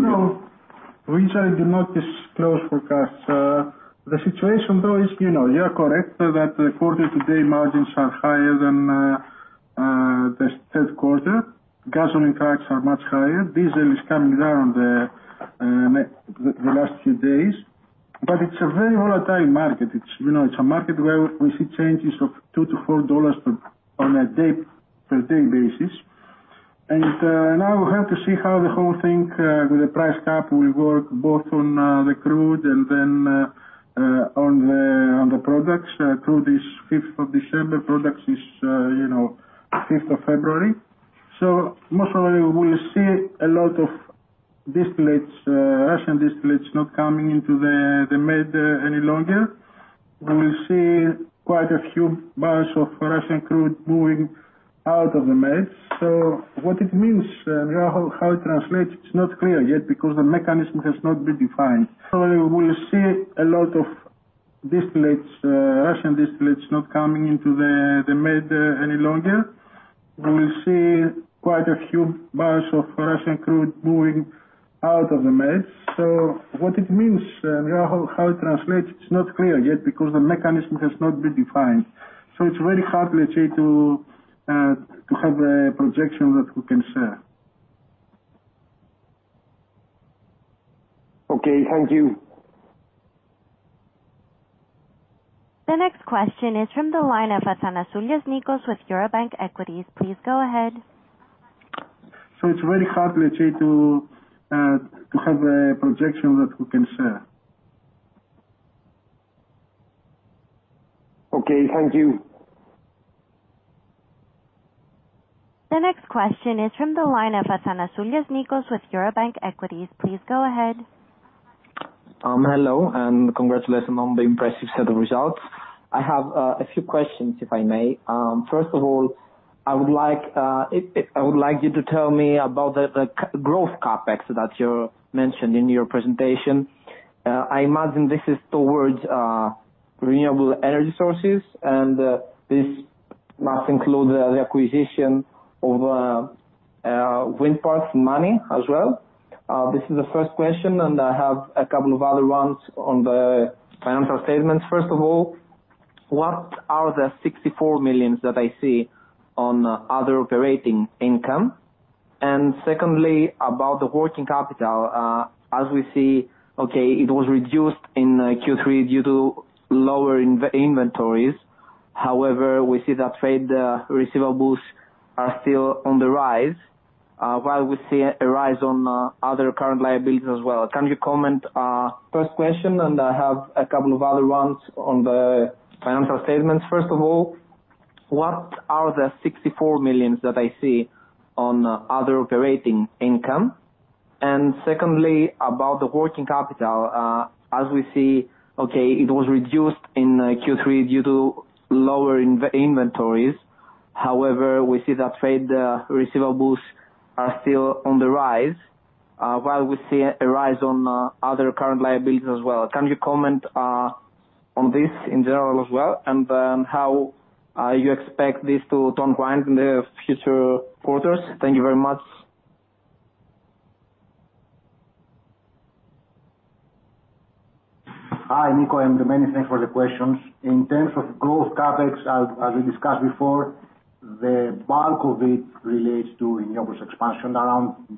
know, we try to not disclose forecasts. The situation though is, you know, you are correct that the quarter to date margins are higher than. The third quarter, gasoline prices are much higher. Diesel is coming down the last few days, but it's a very volatile market. It's, you know, a market where we see changes of $2-$4 per day basis. Now we have to see how the whole thing with the price cap will work both on the crude and then on the products. Crude is fifth of December, products is, you know, fifth of February. Most probably we will see a lot of distillates, Russian distillates not coming into the Med any longer. We will see quite a few barrels of Russian crude moving out of the Med. What it means and how it translates, it's not clear yet because the mechanism has not been defined. We will see a lot of distillates, Russian distillates not coming into the Med any longer. We will see quite a few barrels of Russian crude moving out of the Med. What it means and how it translates, it's not clear yet because the mechanism has not been defined. It's very hard, let's say, to have a projection that we can share. Okay, thank you. The next question is from the line of Nikos Athanasoulias with Eurobank Equities. Please go ahead. Hello, and congratulations on the impressive set of results. I have a few questions, if I may. First of all, I would like you to tell me about the growth CapEx that you mentioned in your presentation. I imagine this is towards renewable energy sources, and this must include the acquisition of Mani wind farms as well. This is the first question, and I have a couple of other ones on the financial statements. First of all, what are the 64 million that I see on other operating income? And secondly, about the working capital, as we see, it was reduced in Q3 due to lower inventories. However, we see that trade receivables are still on the rise, while we see a rise on other current liabilities as well. Can you comment, first question, and I have a couple of other ones on the financial statements. First of all, what are the 64 million that I see on other operating income? Secondly, about the working capital, as we see, okay, it was reduced in Q3 due to lower inventories. However, we see that trade receivables are still on the rise, while we see a rise on other current liabilities as well. Can you comment on this in general as well, and then how you expect this to turn around in the future quarters? Thank you very much. Hi, Nikos, and many thanks for the questions. In terms of growth CapEx, as we discussed before, the bulk of it relates to renewables expansion. Around 95%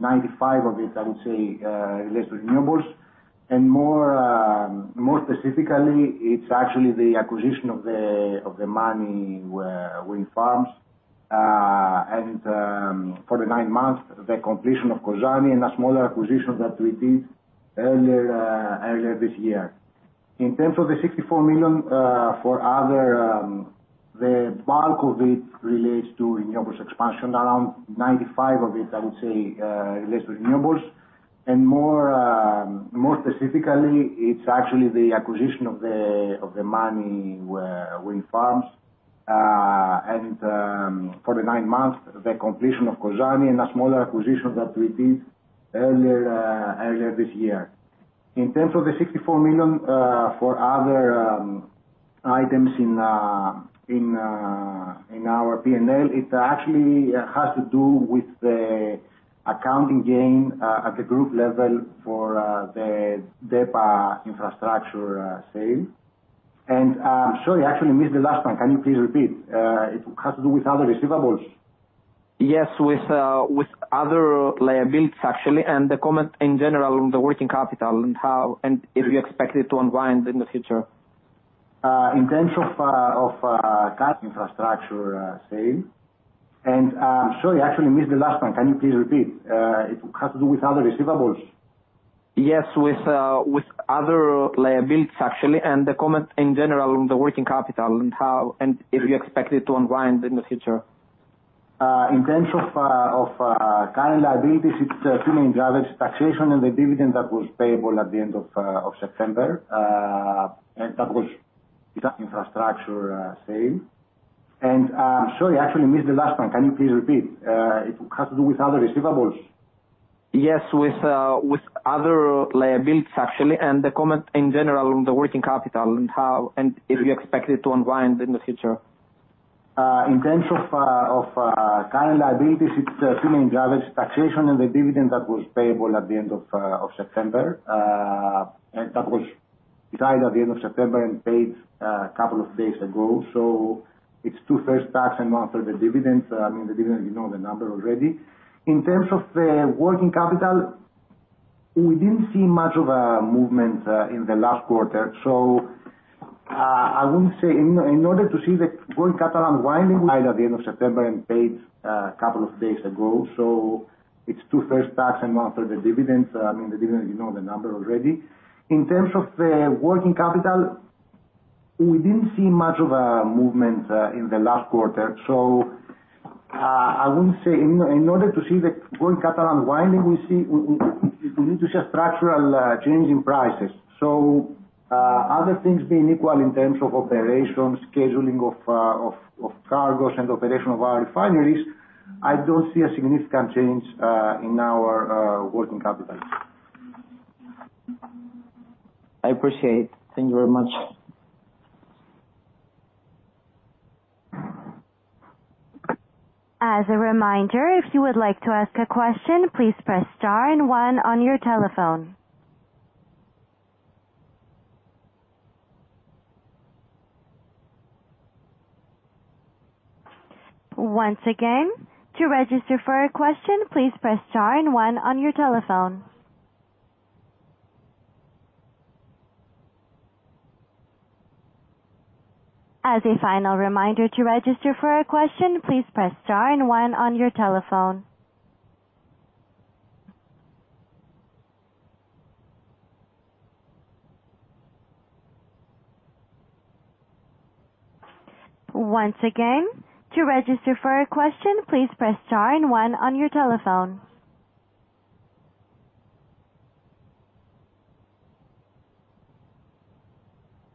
of it, I would say, relates to renewables. More specifically, it's actually the acquisition of the Mani wind farms. For the nine months, the completion of Kozani and a smaller acquisition that we did earlier this year. In terms of the EUR 64 million for other. In terms of the 64 million for other items in our P&L, it actually has to do with the accounting gain at the group level for the DEPA Infrastructure sale. Sorry, I actually missed the last one. Can you please repeat? It has to do with other receivables? Yes, with other liabilities actually, and the comment in general on the working capital and how and if you expect it to unwind in the future. In terms of current liabilities, it's two main drivers, taxation and the dividend that was payable at the end of September, and that was. Decided at the end of September and paid a couple of days ago. It's the first tax and one for the dividends. I mean, the dividend, you know the number already. In terms of the working capital, we didn't see much of a movement in the last quarter. I wouldn't say, in order to see the working capital unwinding, we need to see a structural change in prices. Other things being equal in terms of operations, scheduling of cargos and operation of our refineries, I don't see a significant change in our working capital. I appreciate. Thank you very much. As a reminder, if you would like to ask a question, please press star and one on your telephone. Once again, to register for a question, please press star and one on your telephone. As a final reminder to register for a question, please press star and one on your telephone. Once again, to register for a question, please press star and one on your telephone.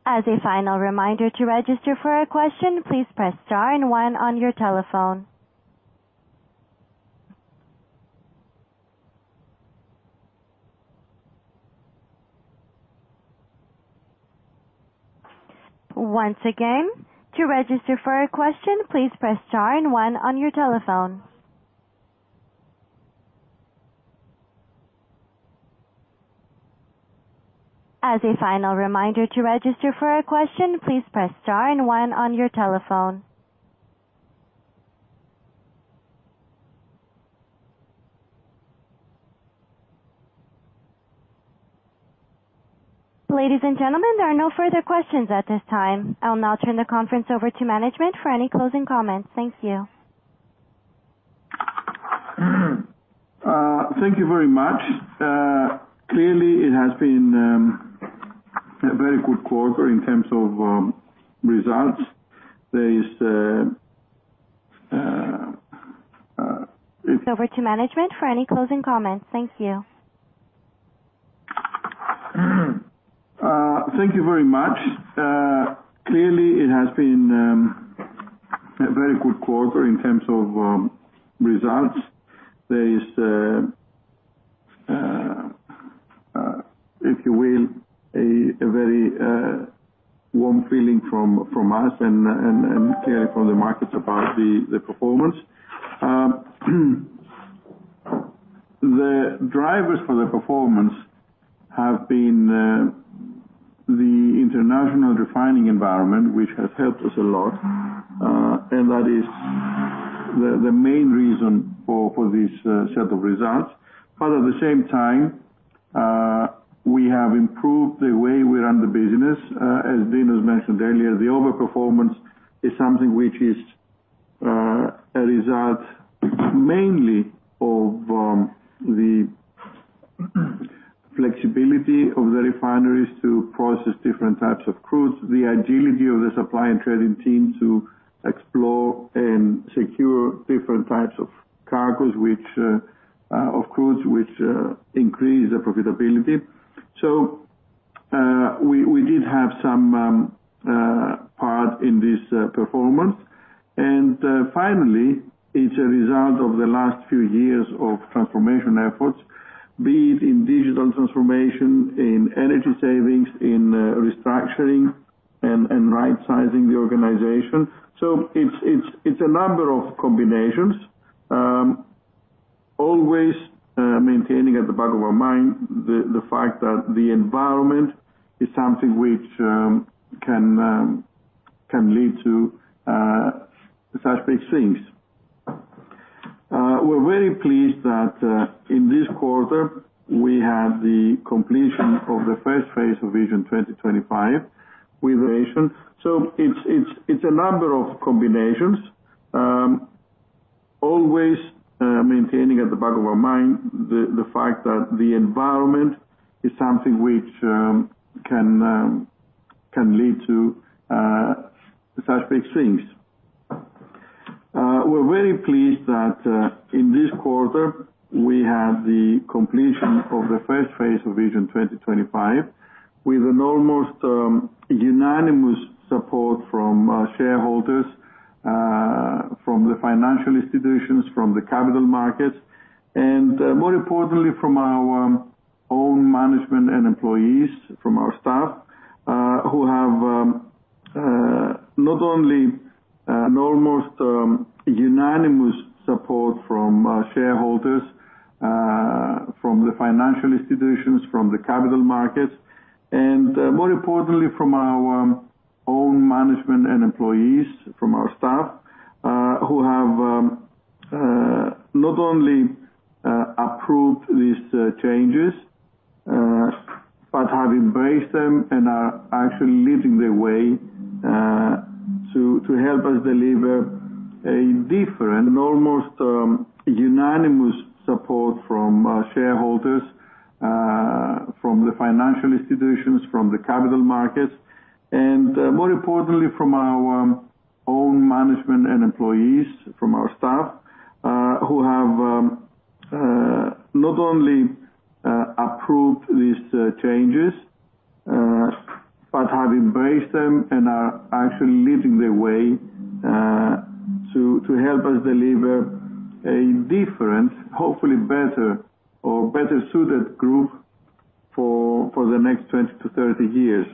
As a final reminder to register for a question, please press star and one on your telephone. Once again, to register for a question, please press star and one on your telephone. Ladies and gentlemen, there are no further questions at this time. I'll now turn the conference over to management for any closing comments. Thank you. Thank you very much. Clearly it has been a very good quarter in terms of results. There is, if you will, a very warm feeling from us and clearly from the markets about the performance. The drivers for the performance have been the international refining environment, which has helped us a lot. That is the main reason for this set of results. At the same time, we have improved the way we run the business. As Dinos mentioned earlier, the overperformance is something which is a result mainly of the flexibility of the refineries to process different types of crude. The agility of the supply and trading team to explore and secure different types of cargoes which of crude which increase the profitability. We did have some part in this performance. Finally, it's a result of the last few years of transformation efforts, be it in digital transformation, in energy savings, in restructuring and right-sizing the organization. It's a number of combinations. Always maintaining at the back of our mind the fact that the environment is something which can lead to such big swings. We're very pleased that in this quarter, we had the completion of the first phase of Vision 2025 with nation. It's a number of combinations. Always maintaining at the back of our mind the fact that the environment is something which can lead to such big swings. We're very pleased that in this quarter we had the completion of the first phase of Vision 2025 with almost unanimous support from shareholders, from the financial institutions, from the capital markets, and more importantly, from our own management and employees, from our staff, who have not only approved these changes, but have embraced them and are actually leading the way to help us deliver a different, hopefully better or better-suited group for the next 20 to 30 years.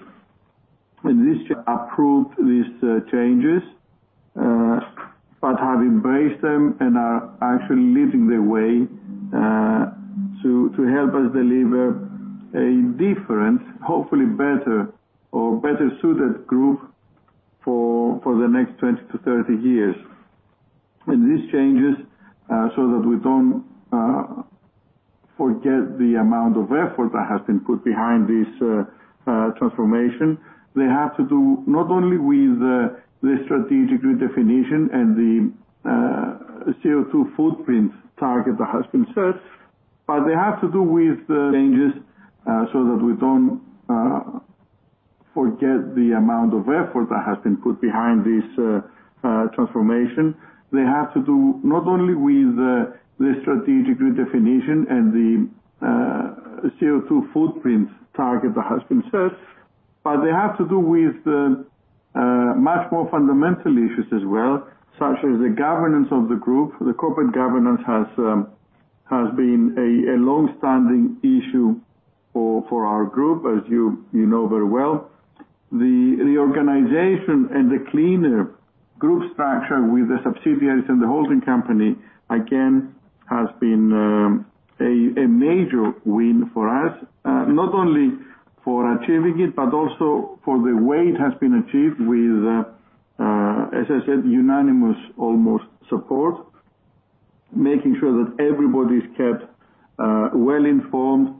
We have approved these changes, but have embraced them and are actually leading the way to help us deliver a different, hopefully better or better-suited group for the next 20-30 years. They have to do not only with the strategic redefinition and the CO2 footprint target that has been set, but they have to do with the changes so that we don't forget the amount of effort that has been put behind this transformation. They have to do not only with the strategic redefinition and the CO2 footprint target that has been set, but they have to do with the much more fundamental issues as well, such as the governance of the group. The corporate governance has been a long-standing issue for our group, as you know very well. The reorganization and the cleaner group structure with the subsidiaries and the holding company, again, has been a major win for us, not only for achieving it, but also for the way it has been achieved with, as I said, almost unanimous support.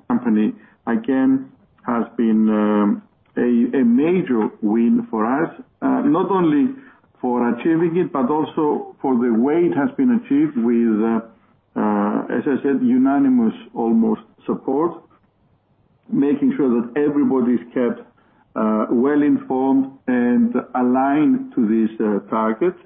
Company, again, has been a major win for us, not only for achieving it, but also for the way it has been achieved with, as I said, almost unanimous support. Making sure that everybody's kept well-informed and aligned to these targets.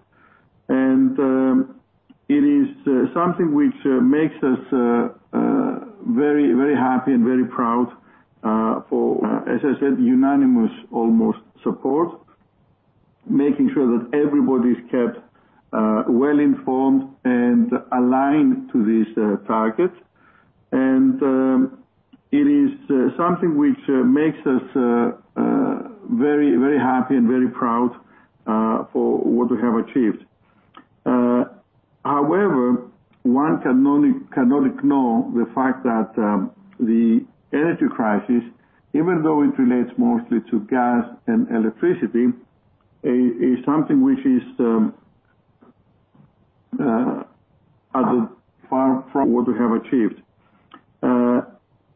It is something which makes us very, very happy and very proud for what we have achieved.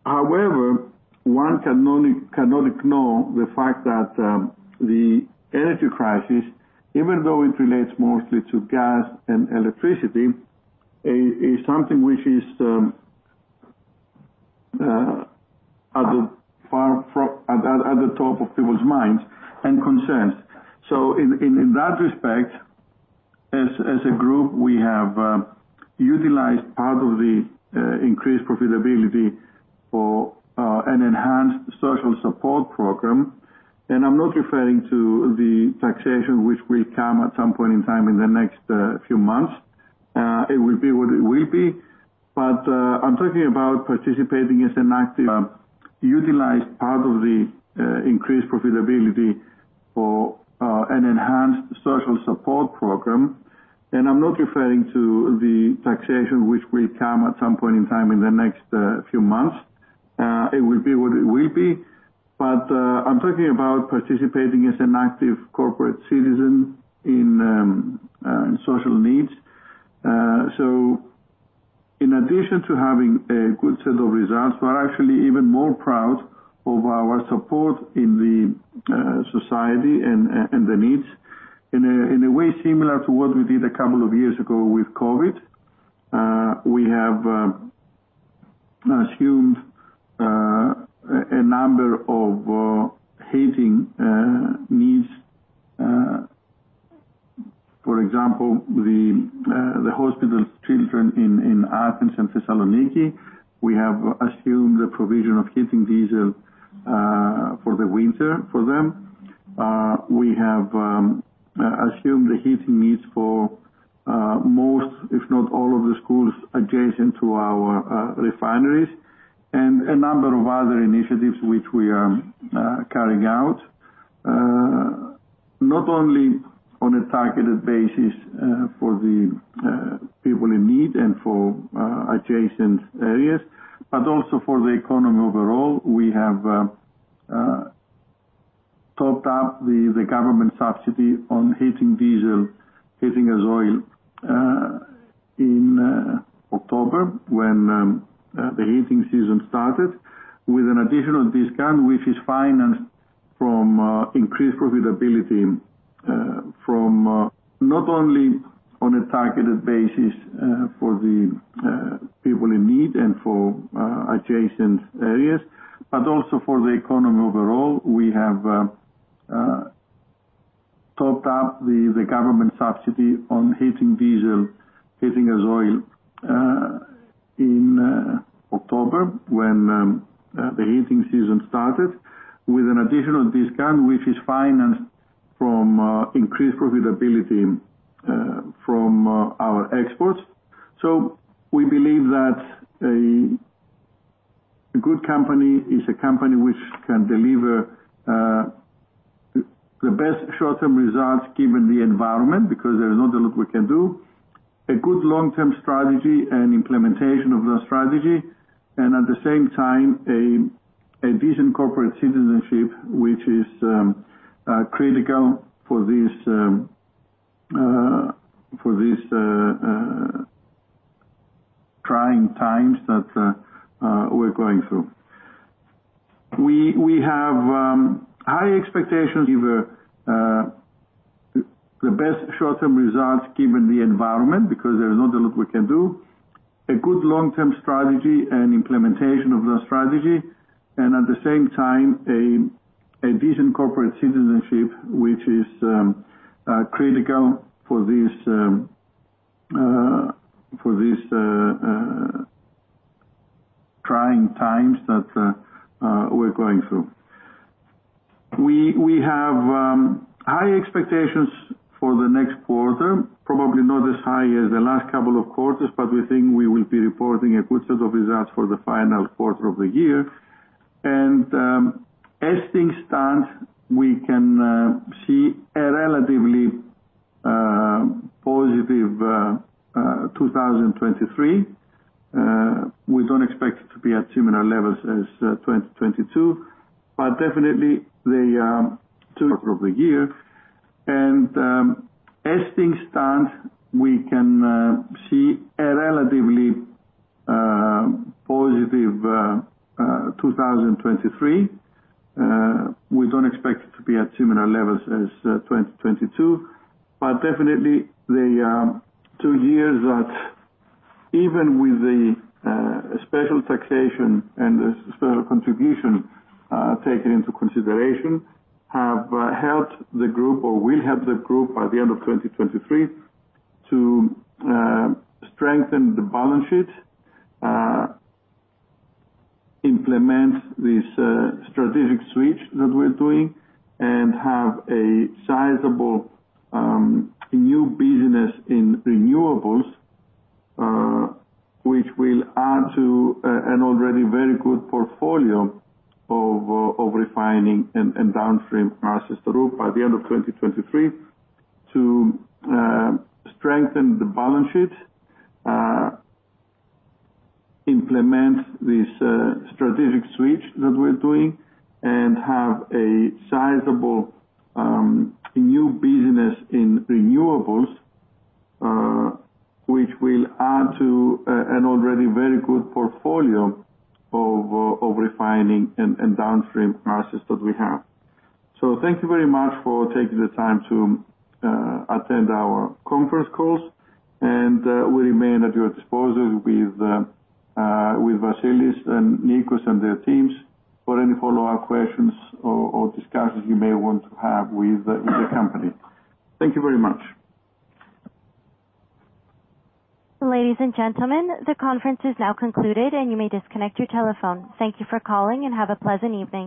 However, one cannot ignore the fact that the energy crisis, even though it relates mostly to gas and electricity, is something which is at the top of people's minds and concerns. In that respect, as a group, we have utilized part of the increased profitability for an enhanced social support program. I'm not referring to the taxation which will come at some point in time in the next few months. It will be what it will be. I'm talking about participating as an active utilized part of the increased profitability for an enhanced social support program. I'm not referring to the taxation which will come at some point in time in the next few months. It will be what it will be. I'm talking about participating as an active corporate citizen in social needs. In addition to having a good set of results, we're actually even more proud of our support in the society and the needs. In a way similar to what we did a couple of years ago with COVID, we have assumed a number of heating needs. For example, the hospital children in Athens and Thessaloniki, we have assumed the provision of heating diesel for the winter for them. We have assumed the heating needs for most, if not all, of the schools adjacent to our refineries and a number of other initiatives which we are carrying out, not only on a targeted basis for the people in need and for adjacent areas, but also for the economy overall. We have topped up the government subsidy on heating diesel, heating oil, in October when the heating season started with an additional discount which is financed from increased profitability from not only on a targeted basis for the people in need and for adjacent areas, but also for the economy overall. We have topped up the government subsidy on heating diesel, heating oil in October when the heating season started with an additional discount which is financed from increased profitability from our exports. We believe that a good company is a company which can deliver the best short-term results given the environment because there is not a lot we can do. A good long-term strategy and implementation of that strategy and at the same time a vision corporate citizenship which is critical for these trying times that we're going through. We have high expectations, the best short-term results given the environment because there is not a lot we can do. A good long-term strategy and implementation of that strategy and at the same time a vision corporate citizenship which is critical for these trying times that we're going through. We have high expectations for the next quarter. Probably not as high as the last couple of quarters, but we think we will be reporting a good set of results for the final quarter of the year. As things stand, we can see a relatively positive 2023. We don't expect it to be at similar levels as 2022, but definitely the two- of the year. As things stand, we can see a relatively positive 2023. We don't expect it to be at similar levels as 2022, but definitely the two years that even with the special taxation and the special contribution taken into consideration, have helped the group or will help the group by the end of 2023 to strengthen the balance sheet, implement this strategic switch that we're doing and have a sizable new business in renewables, which will add to an already very good portfolio of refining and downstream assets that we have. Thank you very much for taking the time to attend our conference calls and we remain at your disposal with Vasilis and Nikos and their teams for any follow-up questions or discussions you may want to have with the company. Thank you very much. Ladies and gentlemen, the conference is now concluded and you may disconnect your telephone. Thank you for calling and have a pleasant evening.